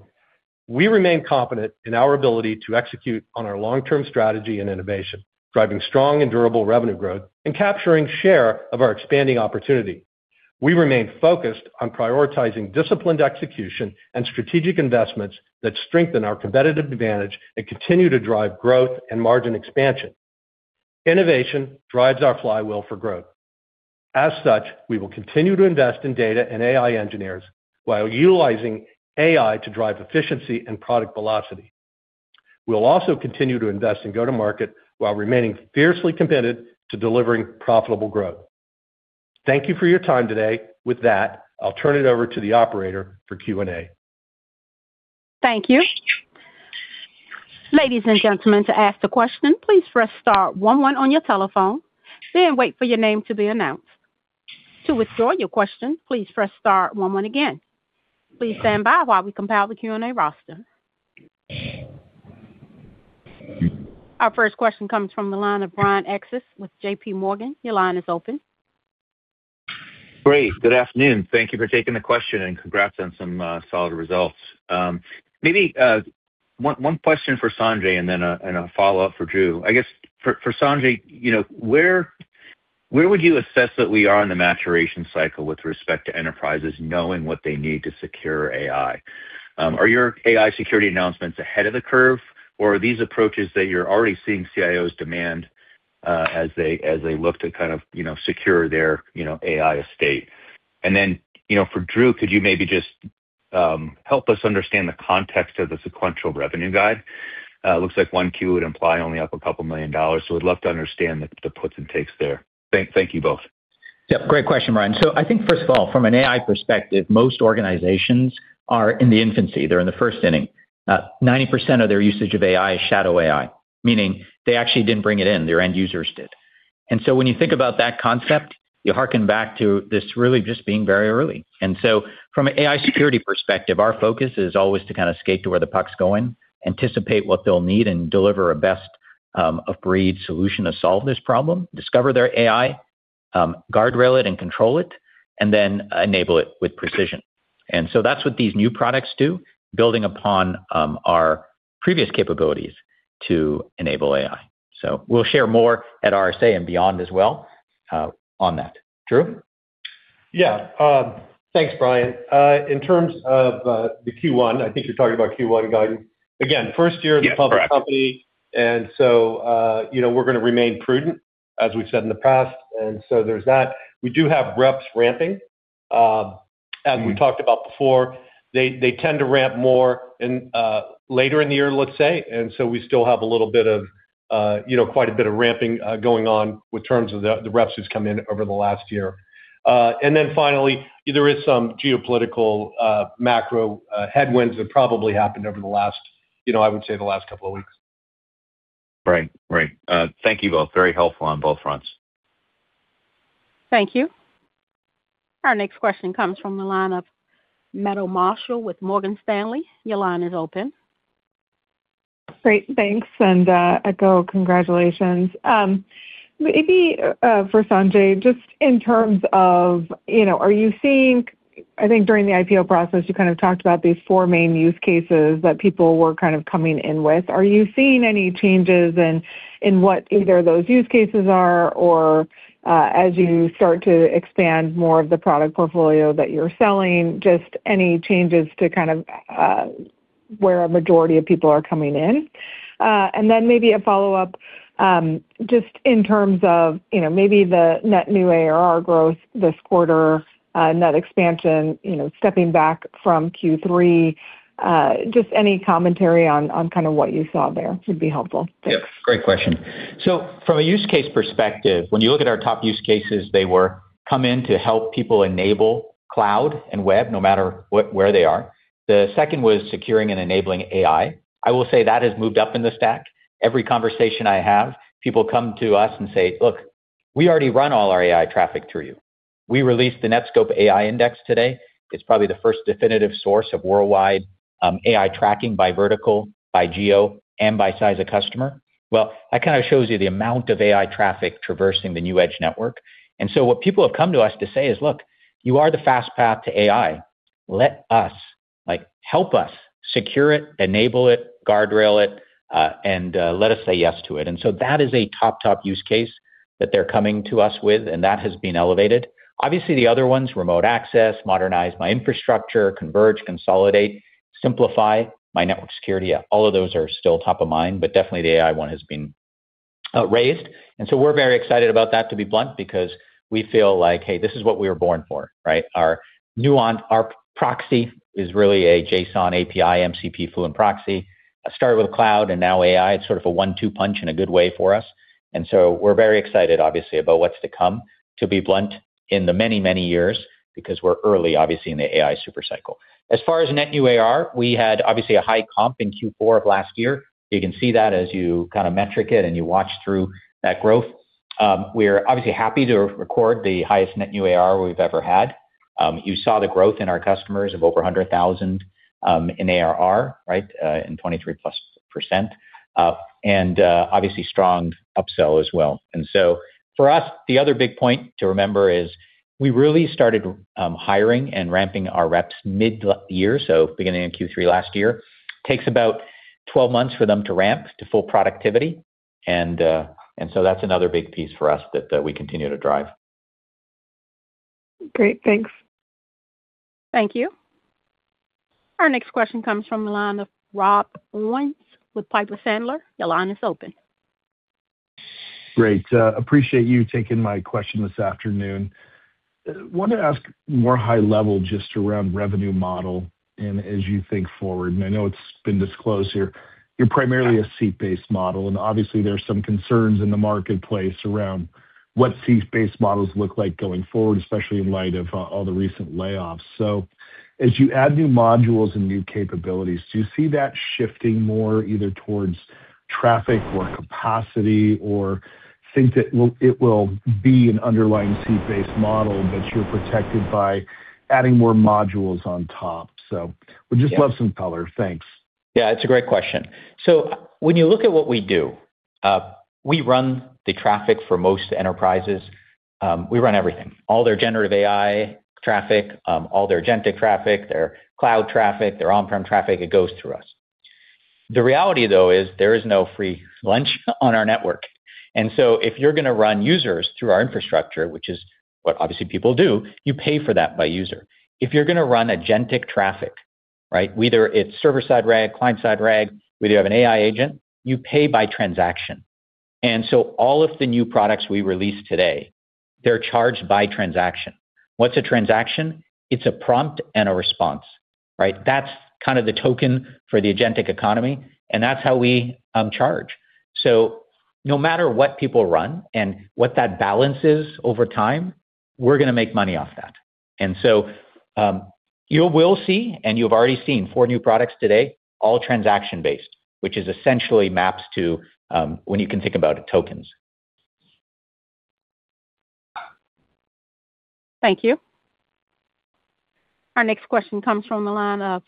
we remain confident in our ability to execute on our long-term strategy and innovation, driving strong and durable revenue growth and capturing share of our expanding opportunity. We remain focused on prioritizing disciplined execution and strategic investments that strengthen our competitive advantage and continue to drive growth and margin expansion. Innovation drives our flywheel for growth. As such, we will continue to invest in data and AI engineers while utilizing AI to drive efficiency and product velocity. We'll also continue to invest in go-to-market while remaining fiercely committed to delivering profitable growth. Thank you for your time today. With that, I'll turn it over to the operator for Q&A. Thank you. Ladies and gentlemen, to ask the question, please press Star one one on your telephone, then wait for your name to be announced. To withdraw your question, please press Star one one again. Please stand by while we compile the Q&A roster. Our first question comes from the line of Brian Essex with J.P. Morgan. Your line is open. Great. Good afternoon. Thank you for taking the question and congrats on some solid results. Maybe one question for Sanjay and then a follow-up for Drew. I guess for Sanjay, you know, where would you assess that we are in the maturation cycle with respect to enterprises knowing what they need to secure AI? Are your AI security announcements ahead of the curve or are these approaches that you're already seeing CIOs demand as they look to kind of, you know, secure their AI estate? You know, for Drew, could you maybe just help us understand the context of the sequential revenue guide? It looks like 1Q would imply only up $2 million, so we'd love to understand the puts and takes there. Thank you both. Yep, great question, Brian Essex. I think first of all, from an AI perspective, most organizations are in the infancy. They're in the first inning. 90% of their usage of AI is shadow AI, meaning they actually didn't bring it in, their end users did. When you think about that concept, you harken back to this really just being very early. From an AI security perspective, our focus is always to kind of skate to where the puck's going, anticipate what they'll need, and deliver a best of breed solution to solve this problem, discover their AI, guardrail it and control it, and then enable it with precision. That's what these new products do, building upon our previous capabilities to enable AI. We'll share more at RSA and beyond as well on that. Drew Del Matto? Yeah. Thanks, Brian. In terms of the Q1, I think you're talking about Q1 guidance. Again, first year of the public company. Yeah, correct. You know, we're gonna remain prudent, as we've said in the past. There's that. We do have reps ramping, as we talked about before. They tend to ramp more in later in the year, let's say. We still have a little bit of, you know, quite a bit of ramping going on in terms of the reps who's come in over the last year. Finally, there is some geopolitical macro headwinds that probably happened over the last, you know, I would say the last couple of weeks. Right. Thank you both. Very helpful on both fronts. Thank you. Our next question comes from the line of Meta Marshall with Morgan Stanley. Your line is open. Great. Thanks, and our congratulations. Maybe for Sanjay, just in terms of, you know, are you seeing, I think during the IPO process you kind of talked about these four main use cases that people were kind of coming in with. Are you seeing any changes in what either of those use cases are or as you start to expand more of the product portfolio that you're selling, just any changes to kind of where a majority of people are coming in? Maybe a follow-up, just in terms of, you know, maybe the net new ARR growth this quarter, net expansion, you know, stepping back from Q3, just any commentary on kind of what you saw there would be helpful. Thanks. Yep, great question. From a use case perspective, when you look at our top use cases, they were come in to help people enable cloud and web no matter what, where they are. The second was securing and enabling AI. I will say that has moved up in the stack. Every conversation I have, people come to us and say, "Look, we already run all our AI traffic through you. We released the Netskope AI Index today. It's probably the first definitive source of worldwide, AI tracking by vertical, by geo, and by size of customer. Well, that kind of shows you the amount of AI traffic traversing the NewEdge network. What people have come to us to say is, "Look, you are the fast path to AI. Like, help us secure it, enable it, guardrail it, and let us say yes to it." That is a top use case that they're coming to us with, and that has been elevated. Obviously, the other ones, remote access, modernize my infrastructure, converge, consolidate, simplify my network security, all of those are still top of mind, but definitely the AI one has been raised. We're very excited about that, to be blunt, because we feel like, hey, this is what we were born for, right? Our proxy is really a JSON API MCP fluent proxy. It started with cloud, and now AI, it's sort of a one-two punch in a good way for us. We're very excited, obviously, about what's to come, to be blunt, in the many, many years, because we're early, obviously, in the AI super cycle. As far as net new ARR, we had obviously a high comp in Q4 of last year. You can see that as you kinda metric it and you watch through that growth. We're obviously happy to record the highest net new ARR we've ever had. You saw the growth in our customers of over 100,000 in ARR, right? And 23%+. Obviously strong upsell as well. For us, the other big point to remember is we really started hiring and ramping our reps mid year, so beginning in Q3 last year. Takes about 12 months for them to ramp to full productivity. That's another big piece for us that we continue to drive. Great. Thanks. Thank you. Our next question comes from the line of Rob Owens with Piper Sandler. Your line is open. Great. Appreciate you taking my question this afternoon. Wanted to ask more high level just around revenue model and as you think forward, and I know it's been disclosed here. You're primarily a seat-based model, and obviously there's some concerns in the marketplace around what seat-based models look like going forward, especially in light of all the recent layoffs. As you add new modules and new capabilities, do you see that shifting more either towards traffic or capacity, or think that it will be an underlying seat-based model, but you're protected by adding more modules on top? Would just love some color. Thanks. Yeah, it's a great question. When you look at what we do, we run the traffic for most enterprises. We run everything, all their generative AI traffic, all their agentic traffic, their cloud traffic, their on-prem traffic, it goes through us. The reality, though, is there is no free lunch on our network. If you're gonna run users through our infrastructure, which is what obviously people do, you pay for that by user. If you're gonna run agentic traffic, right, whether it's server-side RAG, client-side RAG, whether you have an AI agent, you pay by transaction. All of the new products we released today, they're charged by transaction. What's a transaction? It's a prompt and a response, right? That's kind of the token for the agentic economy, and that's how we charge. No matter what people run and what that balance is over time, we're gonna make money off that. You will see, and you've already seen four new products today, all transaction-based, which is essentially maps to, when you can think about tokens. Thank you. Our next question comes from the line of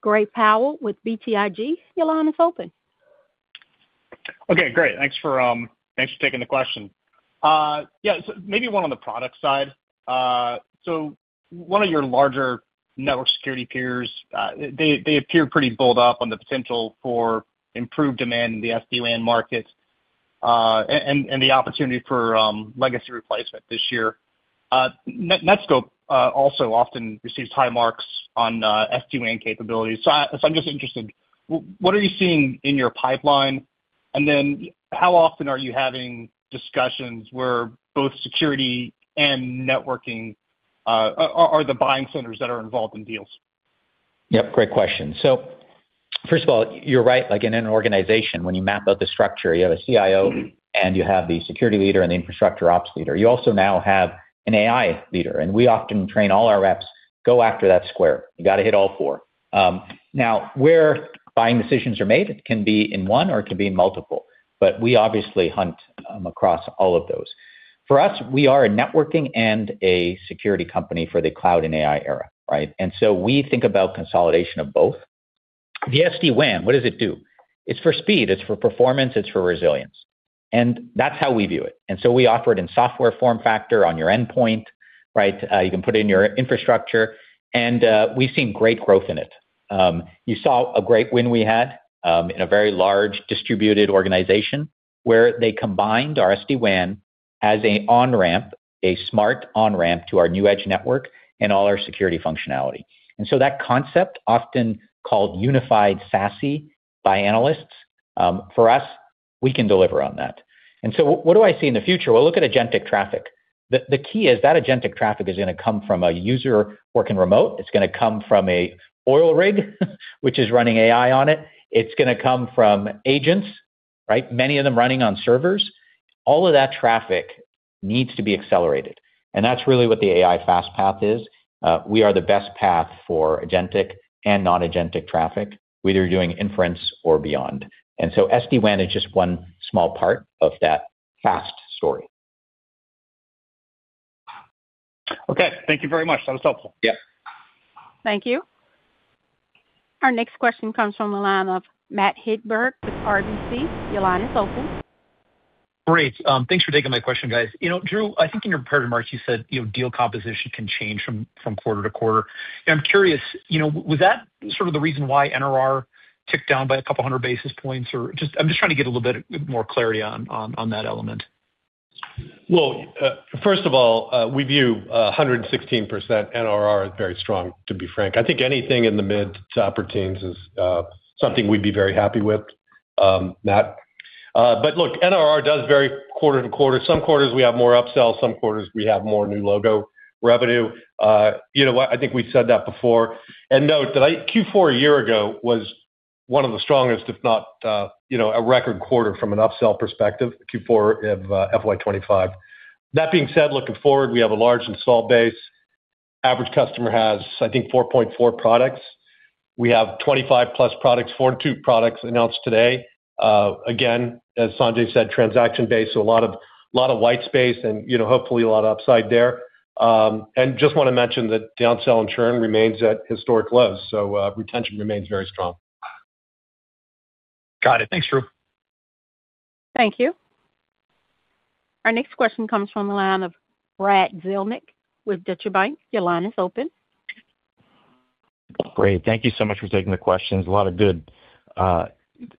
Gray Powell with BTIG. Your line is open. Okay, great. Thanks for taking the question. Yeah, maybe one on the product side. One of your larger network security peers, they appear pretty bullish on the potential for improved demand in the SD-WAN market, and the opportunity for legacy replacement this year. Netskope also often receives high marks on SD-WAN capabilities. I'm just interested, what are you seeing in your pipeline? And then how often are you having discussions where both security and networking are the buying centers that are involved in deals? Yep, great question. First of all, you're right. Like in an organization, when you map out the structure, you have a CIO and you have the security leader and the infrastructure ops leader. You also now have an AI leader, and we often train all our reps, go after that square. You gotta hit all four. Now where buying decisions are made can be in one or it can be in multiple. We obviously hunt across all of those. For us, we are a networking and a security company for the cloud and AI era, right? We think about consolidation of both. The SD-WAN, what does it do? It's for speed, it's for performance, it's for resilience. That's how we view it. We offer it in software form factor on your endpoint, right? You can put it in your infrastructure. We've seen great growth in it. You saw a great win we had in a very large distributed organization where they combined our SD-WAN as an on-ramp, a smart on-ramp to our NewEdge network and all our security functionality. That concept, often called unified SASE by analysts, for us, we can deliver on that. What do I see in the future? Well, look at agentic traffic. The key is that agentic traffic is gonna come from a user working remote. It's gonna come from an oil rig which is running AI on it. It's gonna come from agents, right? Many of them running on servers. All of that traffic needs to be accelerated, and that's really what the AI Fast Path is. We are the best path for agentic and non-agentic traffic, whether you're doing inference or beyond. SD-WAN is just one small part of that SASE story. Okay, thank you very much. That was helpful. Yeah. Thank you. Our next question comes from the line of Matthew Hedberg with RBC. Your line is open. Great. Thanks for taking my question, guys. You know, Drew, I think in your prepared remarks, you said, you know, deal composition can change from quarter to quarter. I'm curious, you know, was that sort of the reason why NRR ticked down by a couple hundred basis points? Or just I'm just trying to get a little bit more clarity on that element. Well, first of all, we view 116% NRR as very strong, to be frank. I think anything in the mid- to upper-teens is something we'd be very happy with, Matt. Look, NRR does vary quarter to quarter. Some quarters we have more upsells, some quarters we have more new logo revenue. You know what? I think we've said that before. Note that Q4 a year ago was one of the strongest, if not, a record quarter from an upsell perspective, Q4 of FY 2025. That being said, looking forward, we have a large install base. Average customer has, I think, 4.4 products. We have 25+ products. Two products announced today. Again, as Sanjay said, transaction-based, so a lot of white space and, you know, hopefully a lot of upside there. Just want to mention that downsell and churn remains at historic lows, so retention remains very strong. Got it. Thanks, Drew. Thank you. Our next question comes from the line of Brad Zelnick with Deutsche Bank. Your line is open. Great. Thank you so much for taking the questions. A lot of good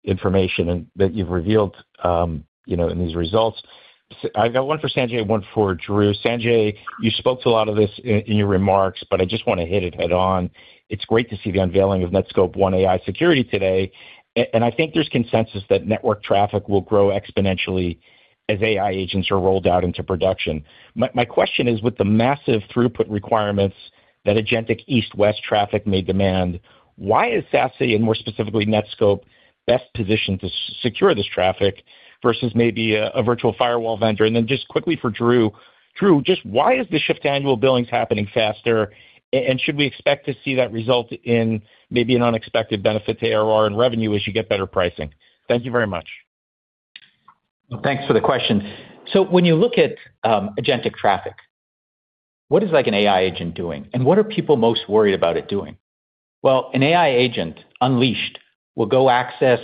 information and that you've revealed in these results. I've got one for Sanjay, one for Drew. Sanjay, you spoke to a lot of this in your remarks, but I just want to hit it head on. It's great to see the unveiling of Netskope One AI Security today, and I think there's consensus that network traffic will grow exponentially as AI agents are rolled out into production. My question is, with the massive throughput requirements that agentic East-West traffic may demand, why is SASE, and more specifically Netskope, best positioned to secure this traffic versus maybe a virtual firewall vendor? Just quickly for Drew. Drew, just why is the shift to annual billings happening faster? Should we expect to see that result in maybe an unexpected benefit to ARR and revenue as you get better pricing? Thank you very much. Well, thanks for the question. When you look at agentic traffic, what is like an AI agent doing, and what are people most worried about it doing? Well, an AI agent, unleashed, will go access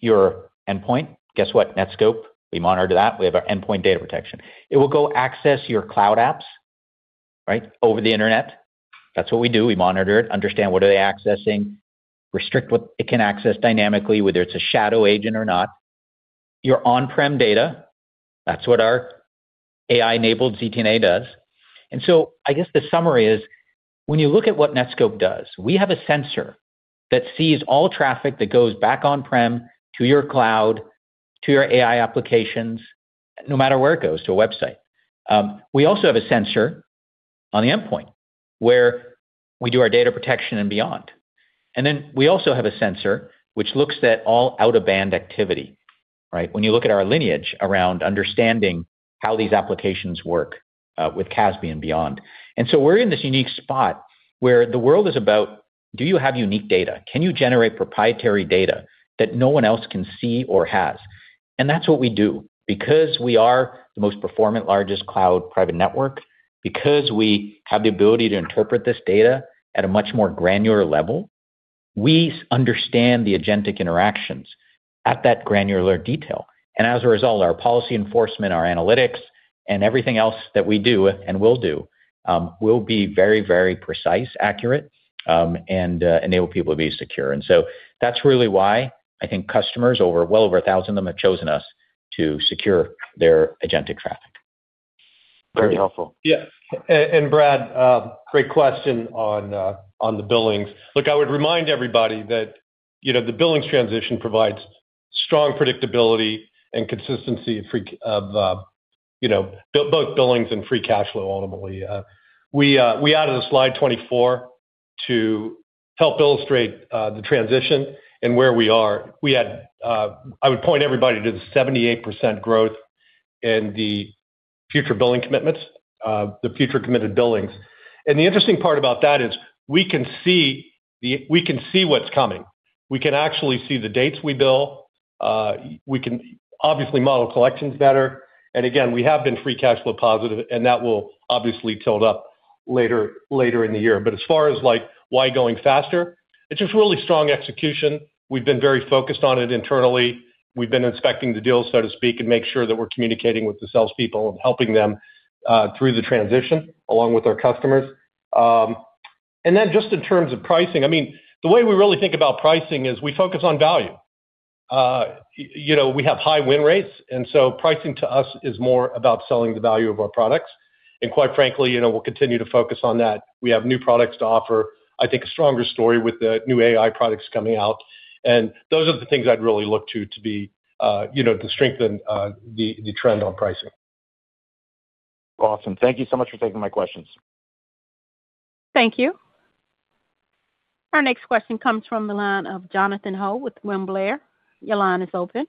your endpoint. Guess what? Netskope, we monitor that. We have our endpoint data protection. It will go access your cloud apps, right, over the Internet. That's what we do. We monitor it, understand what are they accessing, restrict what it can access dynamically, whether it's a shadow agent or not. Your on-prem data, that's what our AI-enabled ZTNA does. I guess the summary is, when you look at what Netskope does, we have a sensor that sees all traffic that goes back on-prem to your cloud, to your AI applications, no matter where it goes to a website. We also have a sensor on the endpoint, where we do our data protection and beyond. Then we also have a sensor which looks at all out-of-band activity, right? When you look at our lineage around understanding how these applications work, with CASB and beyond. We're in this unique spot where the world is about, do you have unique data? Can you generate proprietary data that no one else can see or has? And that's what we do. Because we are the most performant, largest cloud private network, because we have the ability to interpret this data at a much more granular level, we understand the agentic interactions at that granular detail. As a result, our policy enforcement, our analytics, and everything else that we do and will do, will be very, very precise, accurate, and enable people to be secure. That's really why I think customers, well over 1,000 of them, have chosen us to secure their agentic traffic. Very helpful. Brad, great question on the billings. Look, I would remind everybody that, you know, the billings transition provides strong predictability and consistency for both billings and free cash flow, ultimately. We added a slide 24 to help illustrate the transition and where we are. I would point everybody to the 78% growth in the future billing commitments, the future committed billings. The interesting part about that is we can see what's coming. We can actually see the dates we bill. We can obviously model collections better. Again, we have been free cash flow positive, and that will obviously tilt up later in the year. As far as, like, why going faster, it's just really strong execution. We've been very focused on it internally. We've been inspecting the deals, so to speak, and make sure that we're communicating with the salespeople and helping them through the transition along with our customers. Just in terms of pricing, I mean, the way we really think about pricing is we focus on value. You know, we have high win rates, and so pricing to us is more about selling the value of our products. Quite frankly, you know, we'll continue to focus on that. We have new products to offer. I think a stronger story with the new AI products coming out. Those are the things I'd really look to be, you know, to strengthen the trend on pricing. Awesome. Thank you so much for taking my questions. Thank you. Our next question comes from the line of Jonathan Ho with William Blair. Your line is open.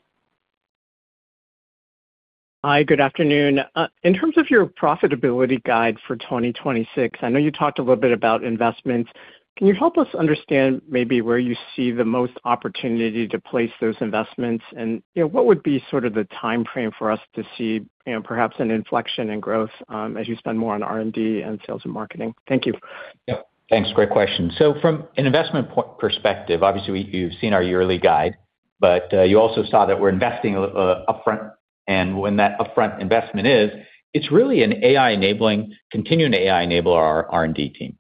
Hi, good afternoon. In terms of you profitability guide for 2026, I know you talked a little bit about investments. Can you help us understand maybe where you see the most opportunity to place those investments? You know, what would be sort of the timeframe for us to see, you know, perhaps an inflection in growth, as you spend more on R&D and sales and marketing? Thank you. Yeah. Thanks. Great question. From an investment perspective, obviously you've seen our yearly guide, but you also saw that we're investing upfront. When that upfront investment is, it's really an AI enabling, continuing to AI enable our R&D team.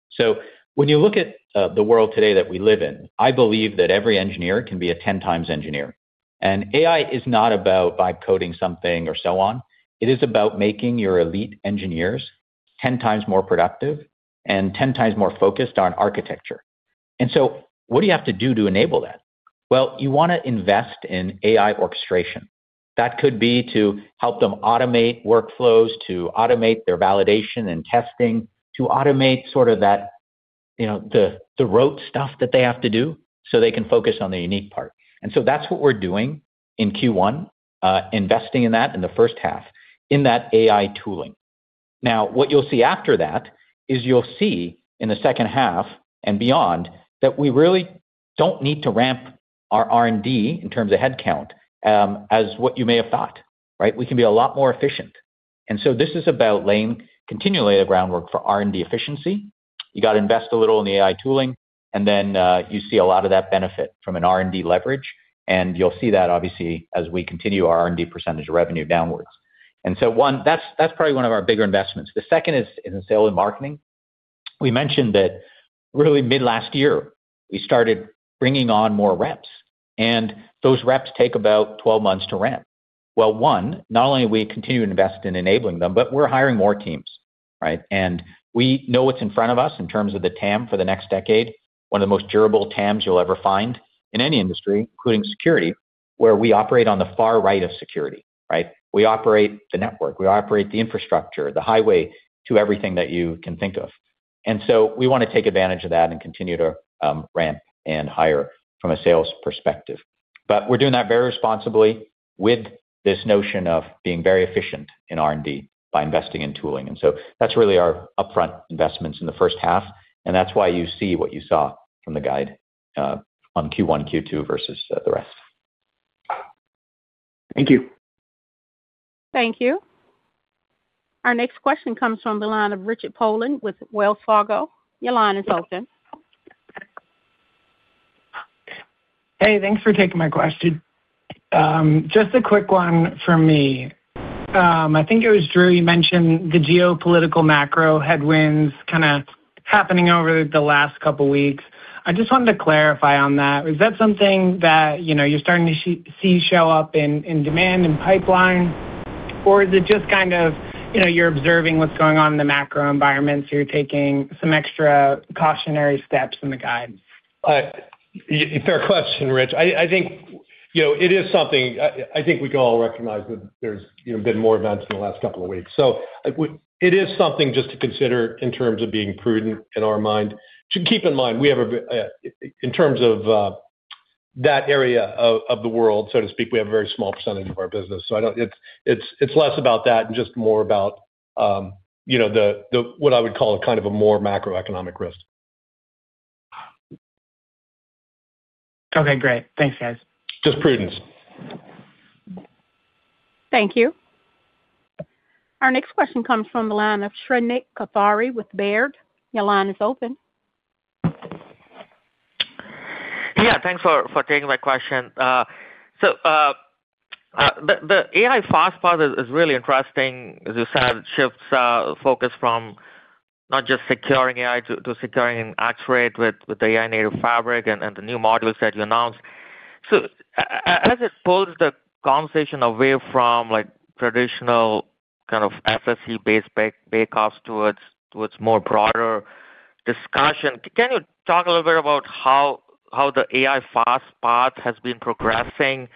When you look at the world today that we live in, I believe that every engineer can be a 10 times engineer. AI is not about by coding something or so on. It is about making your elite engineers 10 times more productive and 10 times more focused on architecture. What do you have to do to enable that? Well, you wanna invest in AI orchestration. That could be to help them automate workflows, to automate their validation and testing, to automate sort of that, you know, the rote stuff that they have to do, so they can focus on the unique part. That's what we're doing in Q1, investing in that in the first half in that AI tooling. Now, what you'll see after that is you'll see in the second half and beyond that we really don't need to ramp our R&D in terms of headcount, as what you may have thought, right? We can be a lot more efficient. This is about continuing to lay the groundwork for R&D efficiency. You gotta invest a little in the AI tooling, and then you see a lot of that benefit from an R&D leverage. You'll see that obviously as we continue our R&D percentage revenue downwards. That's probably one of our bigger investments. The second is in sales and marketing. We mentioned that really mid last year, we started bringing on more reps, and those reps take about 12 months to ramp. Well, not only do we continue to invest in enabling them, but we're hiring more teams, right? We know what's in front of us in terms of the TAM for the next decade. One of the most durable TAMs you'll ever find in any industry, including security, where we operate on the far right of security, right? We operate the network, we operate the infrastructure, the highway to everything that you can think of. We wanna take advantage of that and continue to ramp and hire from a sales perspective. We're doing that very responsibly with this notion of being very efficient in R&D by investing in tooling. That's really our upfront investments in the first half, and that's why you see what you saw from the guide, on Q1, Q2 versus, the rest. Thank you. Thank you. Our next question comes from the line of Richard Poland with Wells Fargo. Your line is open. Hey, thanks for taking my question. Just a quick one for me. I think it was Drew, you mentioned the geopolitical macro headwinds kinda happening over the last couple weeks. I just wanted to clarify on that. Is that something that, you know, you're starting to see show up in demand and pipeline? Or is it just kind of, you know, you're observing what's going on in the macro environment, so you're taking some extra cautionary steps in the guide? Fair question, Rich. I think, you know, it is something I think we can all recognize that there's, you know, been more events in the last couple of weeks. It is something just to consider in terms of being prudent in our mind. To keep in mind, we have a very small percentage of our business in terms of that area of the world, so to speak. So I don't. It's less about that and just more about, you know, the what I would call a kind of a more macroeconomic risk. Okay, great. Thanks, guys. Just prudence. Thank you. Our next question comes from the line of Shrenik Kothari with Baird. Your line is open. Yeah, thanks for taking my question. The AI Fast Path is really interesting. As you said, it shifts focus from not just securing AI to securing X-Ray with the AI native fabric and the new modules that you announced. As it pulls the conversation away from like traditional kind of FSE-based bake off towards more broader discussion, can you talk a little bit about how the AI Fast Path has been progressing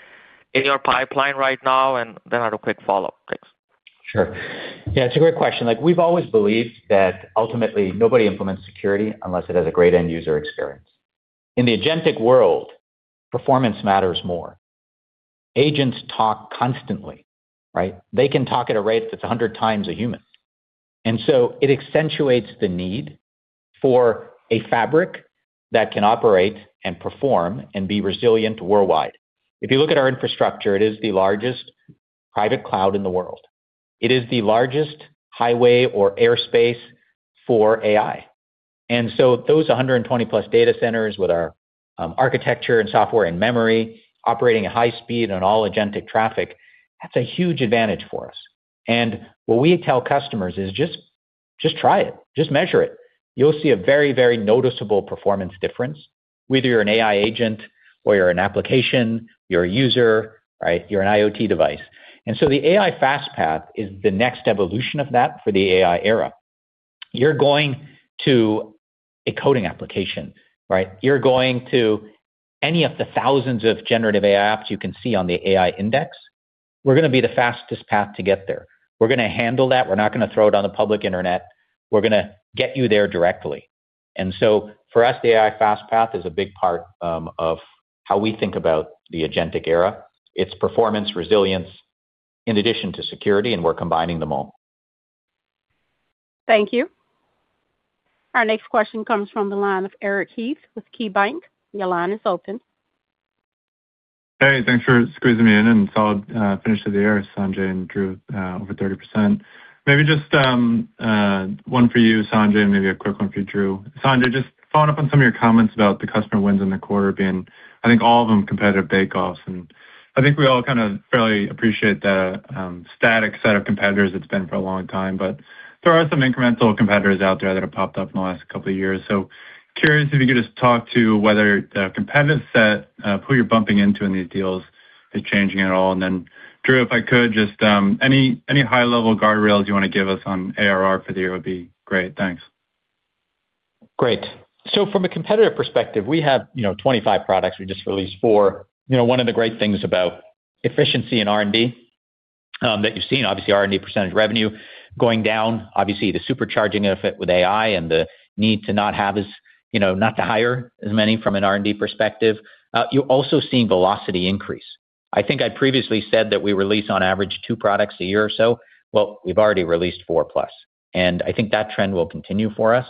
in your pipeline right now? Then I have a quick follow-up. Thanks. Sure. Yeah, it's a great question. Like, we've always believed that ultimately nobody implements security unless it has a great end user experience. In the agentic world, performance matters more. Agents talk constantly, right? They can talk at a rate that's 100 times a human. It accentuates the need for a fabric that can operate and perform and be resilient worldwide. If you look at our infrastructure, it is the largest private cloud in the world. It is the largest highway or airspace for AI. Those 120-plus data centers with our architecture and software and memory operating at high speed on all agentic traffic, that's a huge advantage for us. What we tell customers is just try it. Just measure it. You'll see a very, very noticeable performance difference, whether you're an AI agent or you're an application, you're a user, right, you're an IoT device. The AI Fast Path is the next evolution of that for the AI era. You're going to a coding application, right? You're going to any of the thousands of generative AI apps you can see on the AI Index. We're gonna be the fastest path to get there. We're gonna handle that. We're not gonna throw it on the public internet. We're gonna get you there directly. For us, the AI Fast Path is a big part of how we think about the agentic era, its performance, resilience, in addition to security, and we're combining them all. Thank you. Our next question comes from the line of Eric Heath with KeyBanc. Your line is open. Hey, thanks for squeezing me in and solid finish to the year, Sanjay and Drew, over 30%. Maybe just one for you, Sanjay, and maybe a quick one for Drew. Sanjay, just following up on some of your comments about the customer wins in the quarter being, I think all of them, competitive bake-offs. I think we all kind of fairly appreciate the static set of competitors it's been for a long time, but there are some incremental competitors out there that have popped up in the last couple of years. Curious if you could just talk to whether the competitive set who you're bumping into in these deals is changing at all. Then Drew, if I could, just any high-level guardrails you want to give us on ARR for the year would be great. Thanks. Great. From a competitive perspective, we have, you know, 25 products. We just released 4. You know, one of the great things about efficiency in R&D, that you've seen, obviously R&D percentage revenue going down. Obviously, the supercharging effect with AI and the need to not have as, you know, not to hire as many from an R&D perspective. You're also seeing velocity increase. I think I previously said that we release on average two products a year or so. Well, we've already released four plus, and I think that trend will continue for us.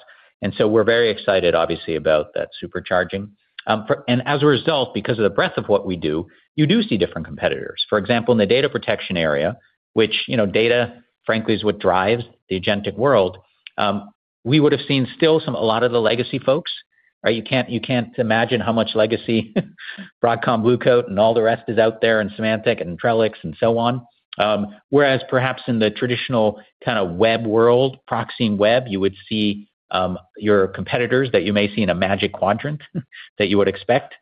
We're very excited obviously about that supercharging. As a result, because of the breadth of what we do, you do see different competitors. For example, in the data protection area, which, you know, data, frankly, is what drives the agentic world, we would have seen a lot of the legacy folks, right? You can't imagine how much legacy Broadcom, Blue Coat, and all the rest is out there, and Symantec and Trellix and so on. Whereas perhaps in the traditional kinda web world, proxying web, you would see your competitors that you may see in a Magic Quadrant that you would expect.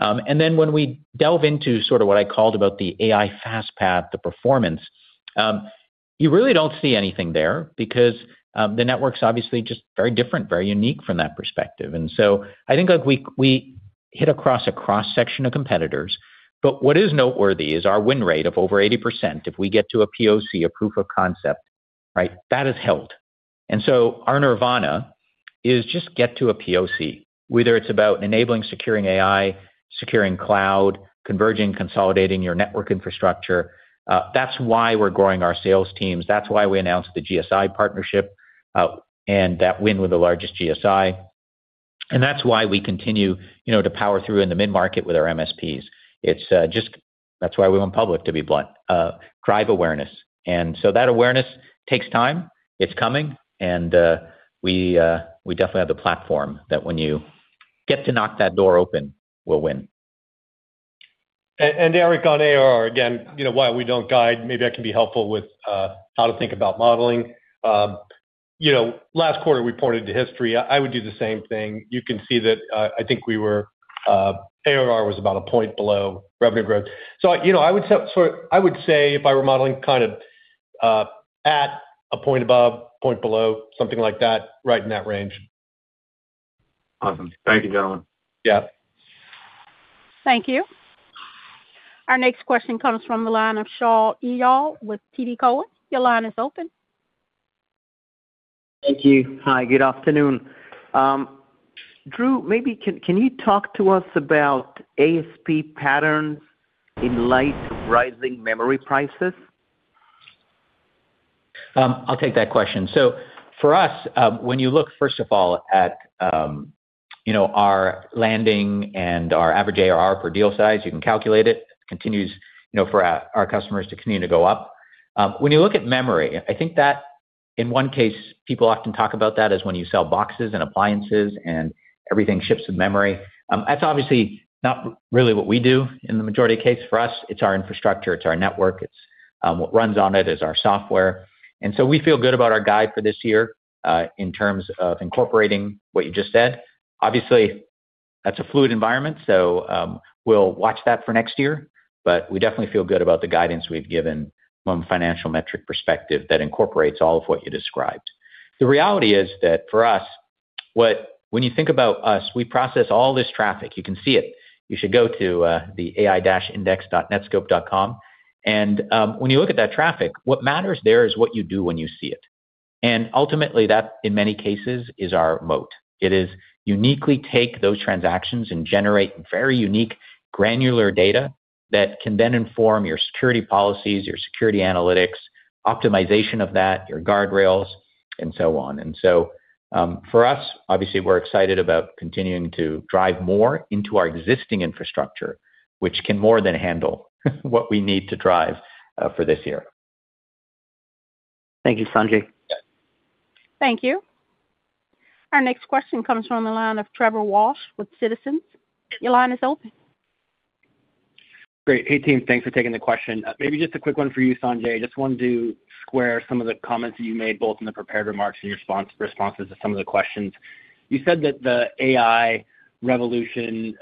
When we delve into sort of what I call the AI Fast Path, the performance, you really don't see anything there because the network's obviously just very different, very unique from that perspective. I think, like, we hit across a cross-section of competitors. What is noteworthy is our win rate of over 80% if we get to a POC, a proof of concept, right? That has held. Our nirvana is just get to a POC, whether it's about enabling securing AI, securing cloud, converging, consolidating your network infrastructure. That's why we're growing our sales teams. That's why we announced the GSI partnership, and that win with the largest GSI. That's why we continue, you know, to power through in the mid-market with our MSPs. It's just. That's why we went public, to be blunt. Drive awareness. That awareness takes time. It's coming. We definitely have the platform that when you get to knock that door open, we'll win. Eric, on ARR again, you know why we don't guide, maybe I can be helpful with how to think about modeling. You know, last quarter we pointed to history. I would do the same thing. You can see that, I think ARR was about a point below revenue growth. You know, I would say if I were modeling kind of at a point above, point below, something like that, right in that range. Awesome. Thank you, gentlemen. Yeah. Thank you. Our next question comes from the line of Shaul Eyal with TD Cowen. Your line is open. Thank you. Hi, good afternoon. Drew, maybe can you talk to us about ASP patterns in light of rising memory prices? I'll take that question. For us, when you look first of all at, you know, our landing and our average ARR per deal size, you can calculate it continues, you know, for our customers to continue to go up. When you look at memory, I think that in one case, people often talk about that as when you sell boxes and appliances and everything ships with memory. That's obviously not really what we do in the majority of cases. For us, it's our infrastructure, it's our network, it's what runs on it is our software. We feel good about our guide for this year in terms of incorporating what you just said. Obviously, that's a fluid environment, so we'll watch that for next year. We definitely feel good about the guidance we've given from a financial metric perspective that incorporates all of what you described. The reality is that for us, when you think about us, we process all this traffic. You can see it. You should go to the ai-index.netskope.com. When you look at that traffic, what matters there is what you do when you see it. Ultimately that, in many cases, is our moat. It is uniquely take those transactions and generate very unique granular data that can then inform your security policies, your security analytics, optimization of that, your guardrails, and so on. For us, obviously we're excited about continuing to drive more into our existing infrastructure, which can more than handle what we need to drive for this year. Thank you, Sanjay. Thank you. Our next question comes from the line of Trevor Walsh with Citizens. Your line is open. Great. Hey, team. Thanks for taking the question. Maybe just a quick one for you, Sanjay. Just wanted to square some of the comments that you made both in the prepared remarks and your responses to some of the questions. You said that the AI revolution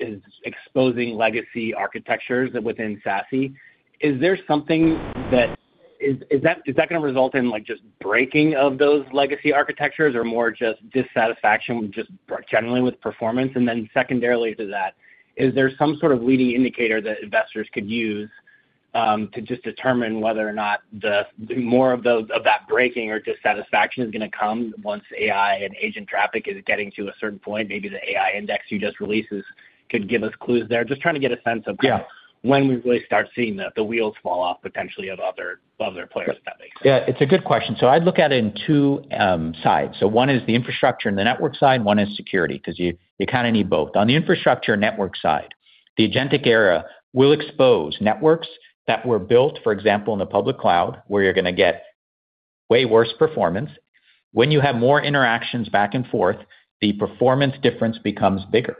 is exposing legacy architectures within SASE. Is that gonna result in like just breaking of those legacy architectures or more just dissatisfaction generally with performance? And then secondarily to that, is there some sort of leading indicator that investors could use To just determine whether or not more of that breaking or dissatisfaction is gonna come once AI and agent traffic is getting to a certain point, maybe the AI index you just released could give us clues there. Just trying to get a sense of. Yeah. when we really start seeing the wheels fall off potentially of other players, if that makes sense. Yeah, it's a good question. I'd look at it in two sides. One is the infrastructure and the network side, and one is security 'cause you kinda need both. On the infrastructure network side, the agentic era will expose networks that were built, for example, in the public cloud, where you're gonna get way worse performance. When you have more interactions back and forth, the performance difference becomes bigger,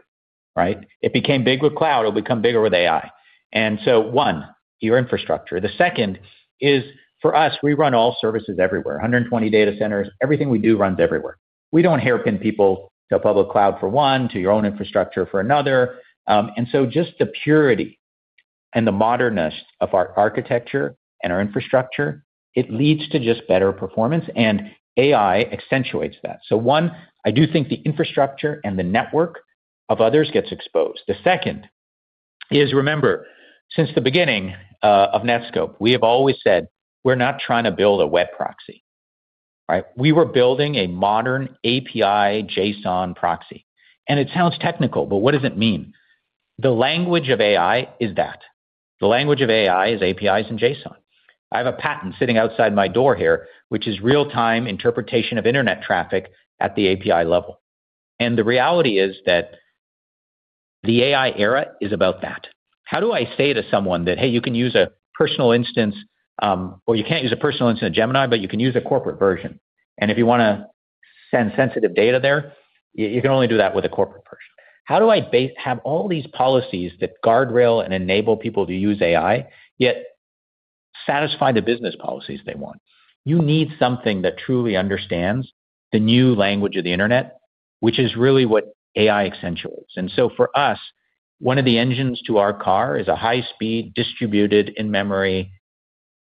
right? It became big with cloud, it'll become bigger with AI. One, your infrastructure. The second is for us, we run all services everywhere, 120 data centers. Everything we do runs everywhere. We don't hairpin people to a public cloud for one, to your own infrastructure for another. Just the purity and the modernness of our architecture and our infrastructure, it leads to just better performance, and AI accentuates that. One, I do think the infrastructure and the network of others gets exposed. The second is, remember, since the beginning of Netskope, we have always said, "We're not trying to build a web proxy." All right? We were building a modern API JSON proxy. It sounds technical, but what does it mean? The language of AI is that. The language of AI is APIs and JSON. I have a patent sitting outside my door here, which is real-time interpretation of internet traffic at the API level. The reality is that the AI era is about that. How do I say to someone that, "Hey, you can use a personal instance, or you can't use a personal instance of Gemini, but you can use a corporate version. If you wanna send sensitive data there, you can only do that with a corporate version. How do I have all these policies that guardrail and enable people to use AI, yet satisfy the business policies they want? You need something that truly understands the new language of the internet, which is really what AI accentuates. For us, one of the engines to our car is a high-speed, distributed in-memory,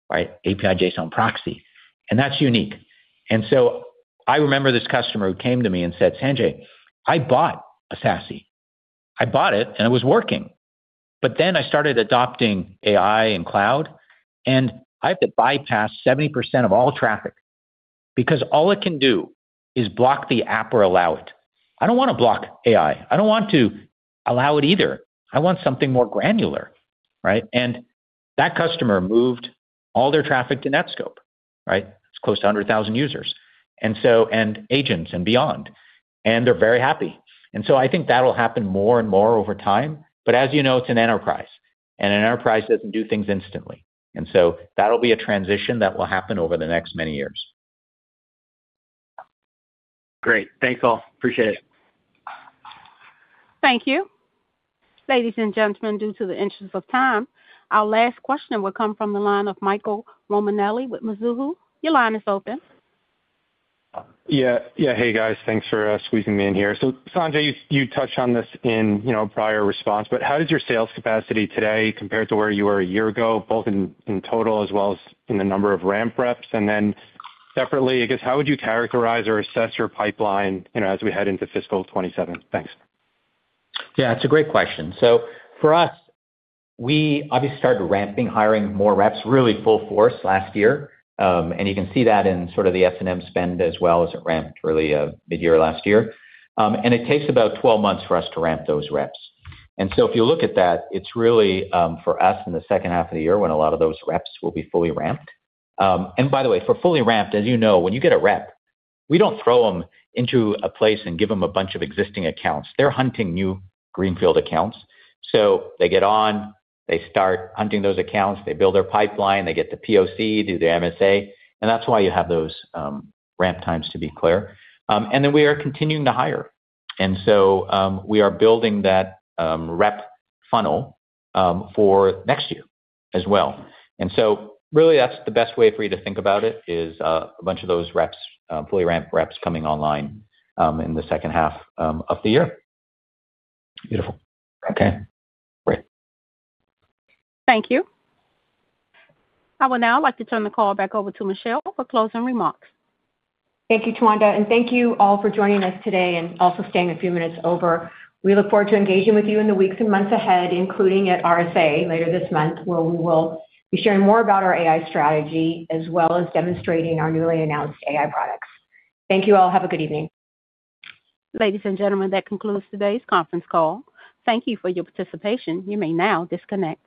right, API JSON proxy. That's unique. I remember this customer who came to me and said, "Sanjay, I bought a SASE. I bought it, and it was working. But then I started adopting AI and cloud, and I have to bypass 70% of all traffic because all it can do is block the app or allow it. I don't wanna block AI. I don't want to allow it either. “I want something more granular.” Right? That customer moved all their traffic to Netskope, right? It's close to 100,000 users, and agents and beyond. They're very happy. I think that'll happen more and more over time. As you know, it's an enterprise, and an enterprise doesn't do things instantly. That'll be a transition that will happen over the next many years. Great. Thanks, all. Appreciate it. Thank you. Ladies and gentlemen, in the interest of time, our last question will come from the line of Michael Romanelli with Mizuho. Your line is open. Hey, guys. Thanks for squeezing me in here. Sanjay, you touched on this in, you know, a prior response, but how does your sales capacity today compare to where you were a year ago, both in total as well as in the number of ramp reps? Then separately, I guess, how would you characterize or assess your pipeline, you know, as we head into fiscal 2027? Thanks. Yeah, it's a great question. For us, we obviously started ramping, hiring more reps, really full force last year. You can see that in sort of the S&M spend as well as it ramped really, midyear last year. It takes about 12 months for us to ramp those reps. If you look at that, it's really, for us in the second half of the year when a lot of those reps will be fully ramped. By the way, for fully ramped, as you know, when you get a rep, we don't throw them into a place and give them a bunch of existing accounts. They're hunting new greenfield accounts. They get on, they start hunting those accounts, they build their pipeline, they get the POC, do the MSA, and that's why you have those ramp times, to be clear. We are continuing to hire. We are building that rep funnel for next year as well. Really that's the best way for you to think about it is a bunch of those reps, fully ramped reps coming online in the second half of the year. Beautiful. Okay, great. Thank you. I would now like to turn the call back over to Michelle for closing remarks. Thank you, Tawanda, and thank you all for joining us today and also staying a few minutes over. We look forward to engaging with you in the weeks and months ahead, including at RSA later this month, where we will be sharing more about our AI strategy as well as demonstrating our newly announced AI products. Thank you all. Have a good evening. Ladies and gentlemen, that concludes today's conference call. Thank you for your participation. You may now disconnect.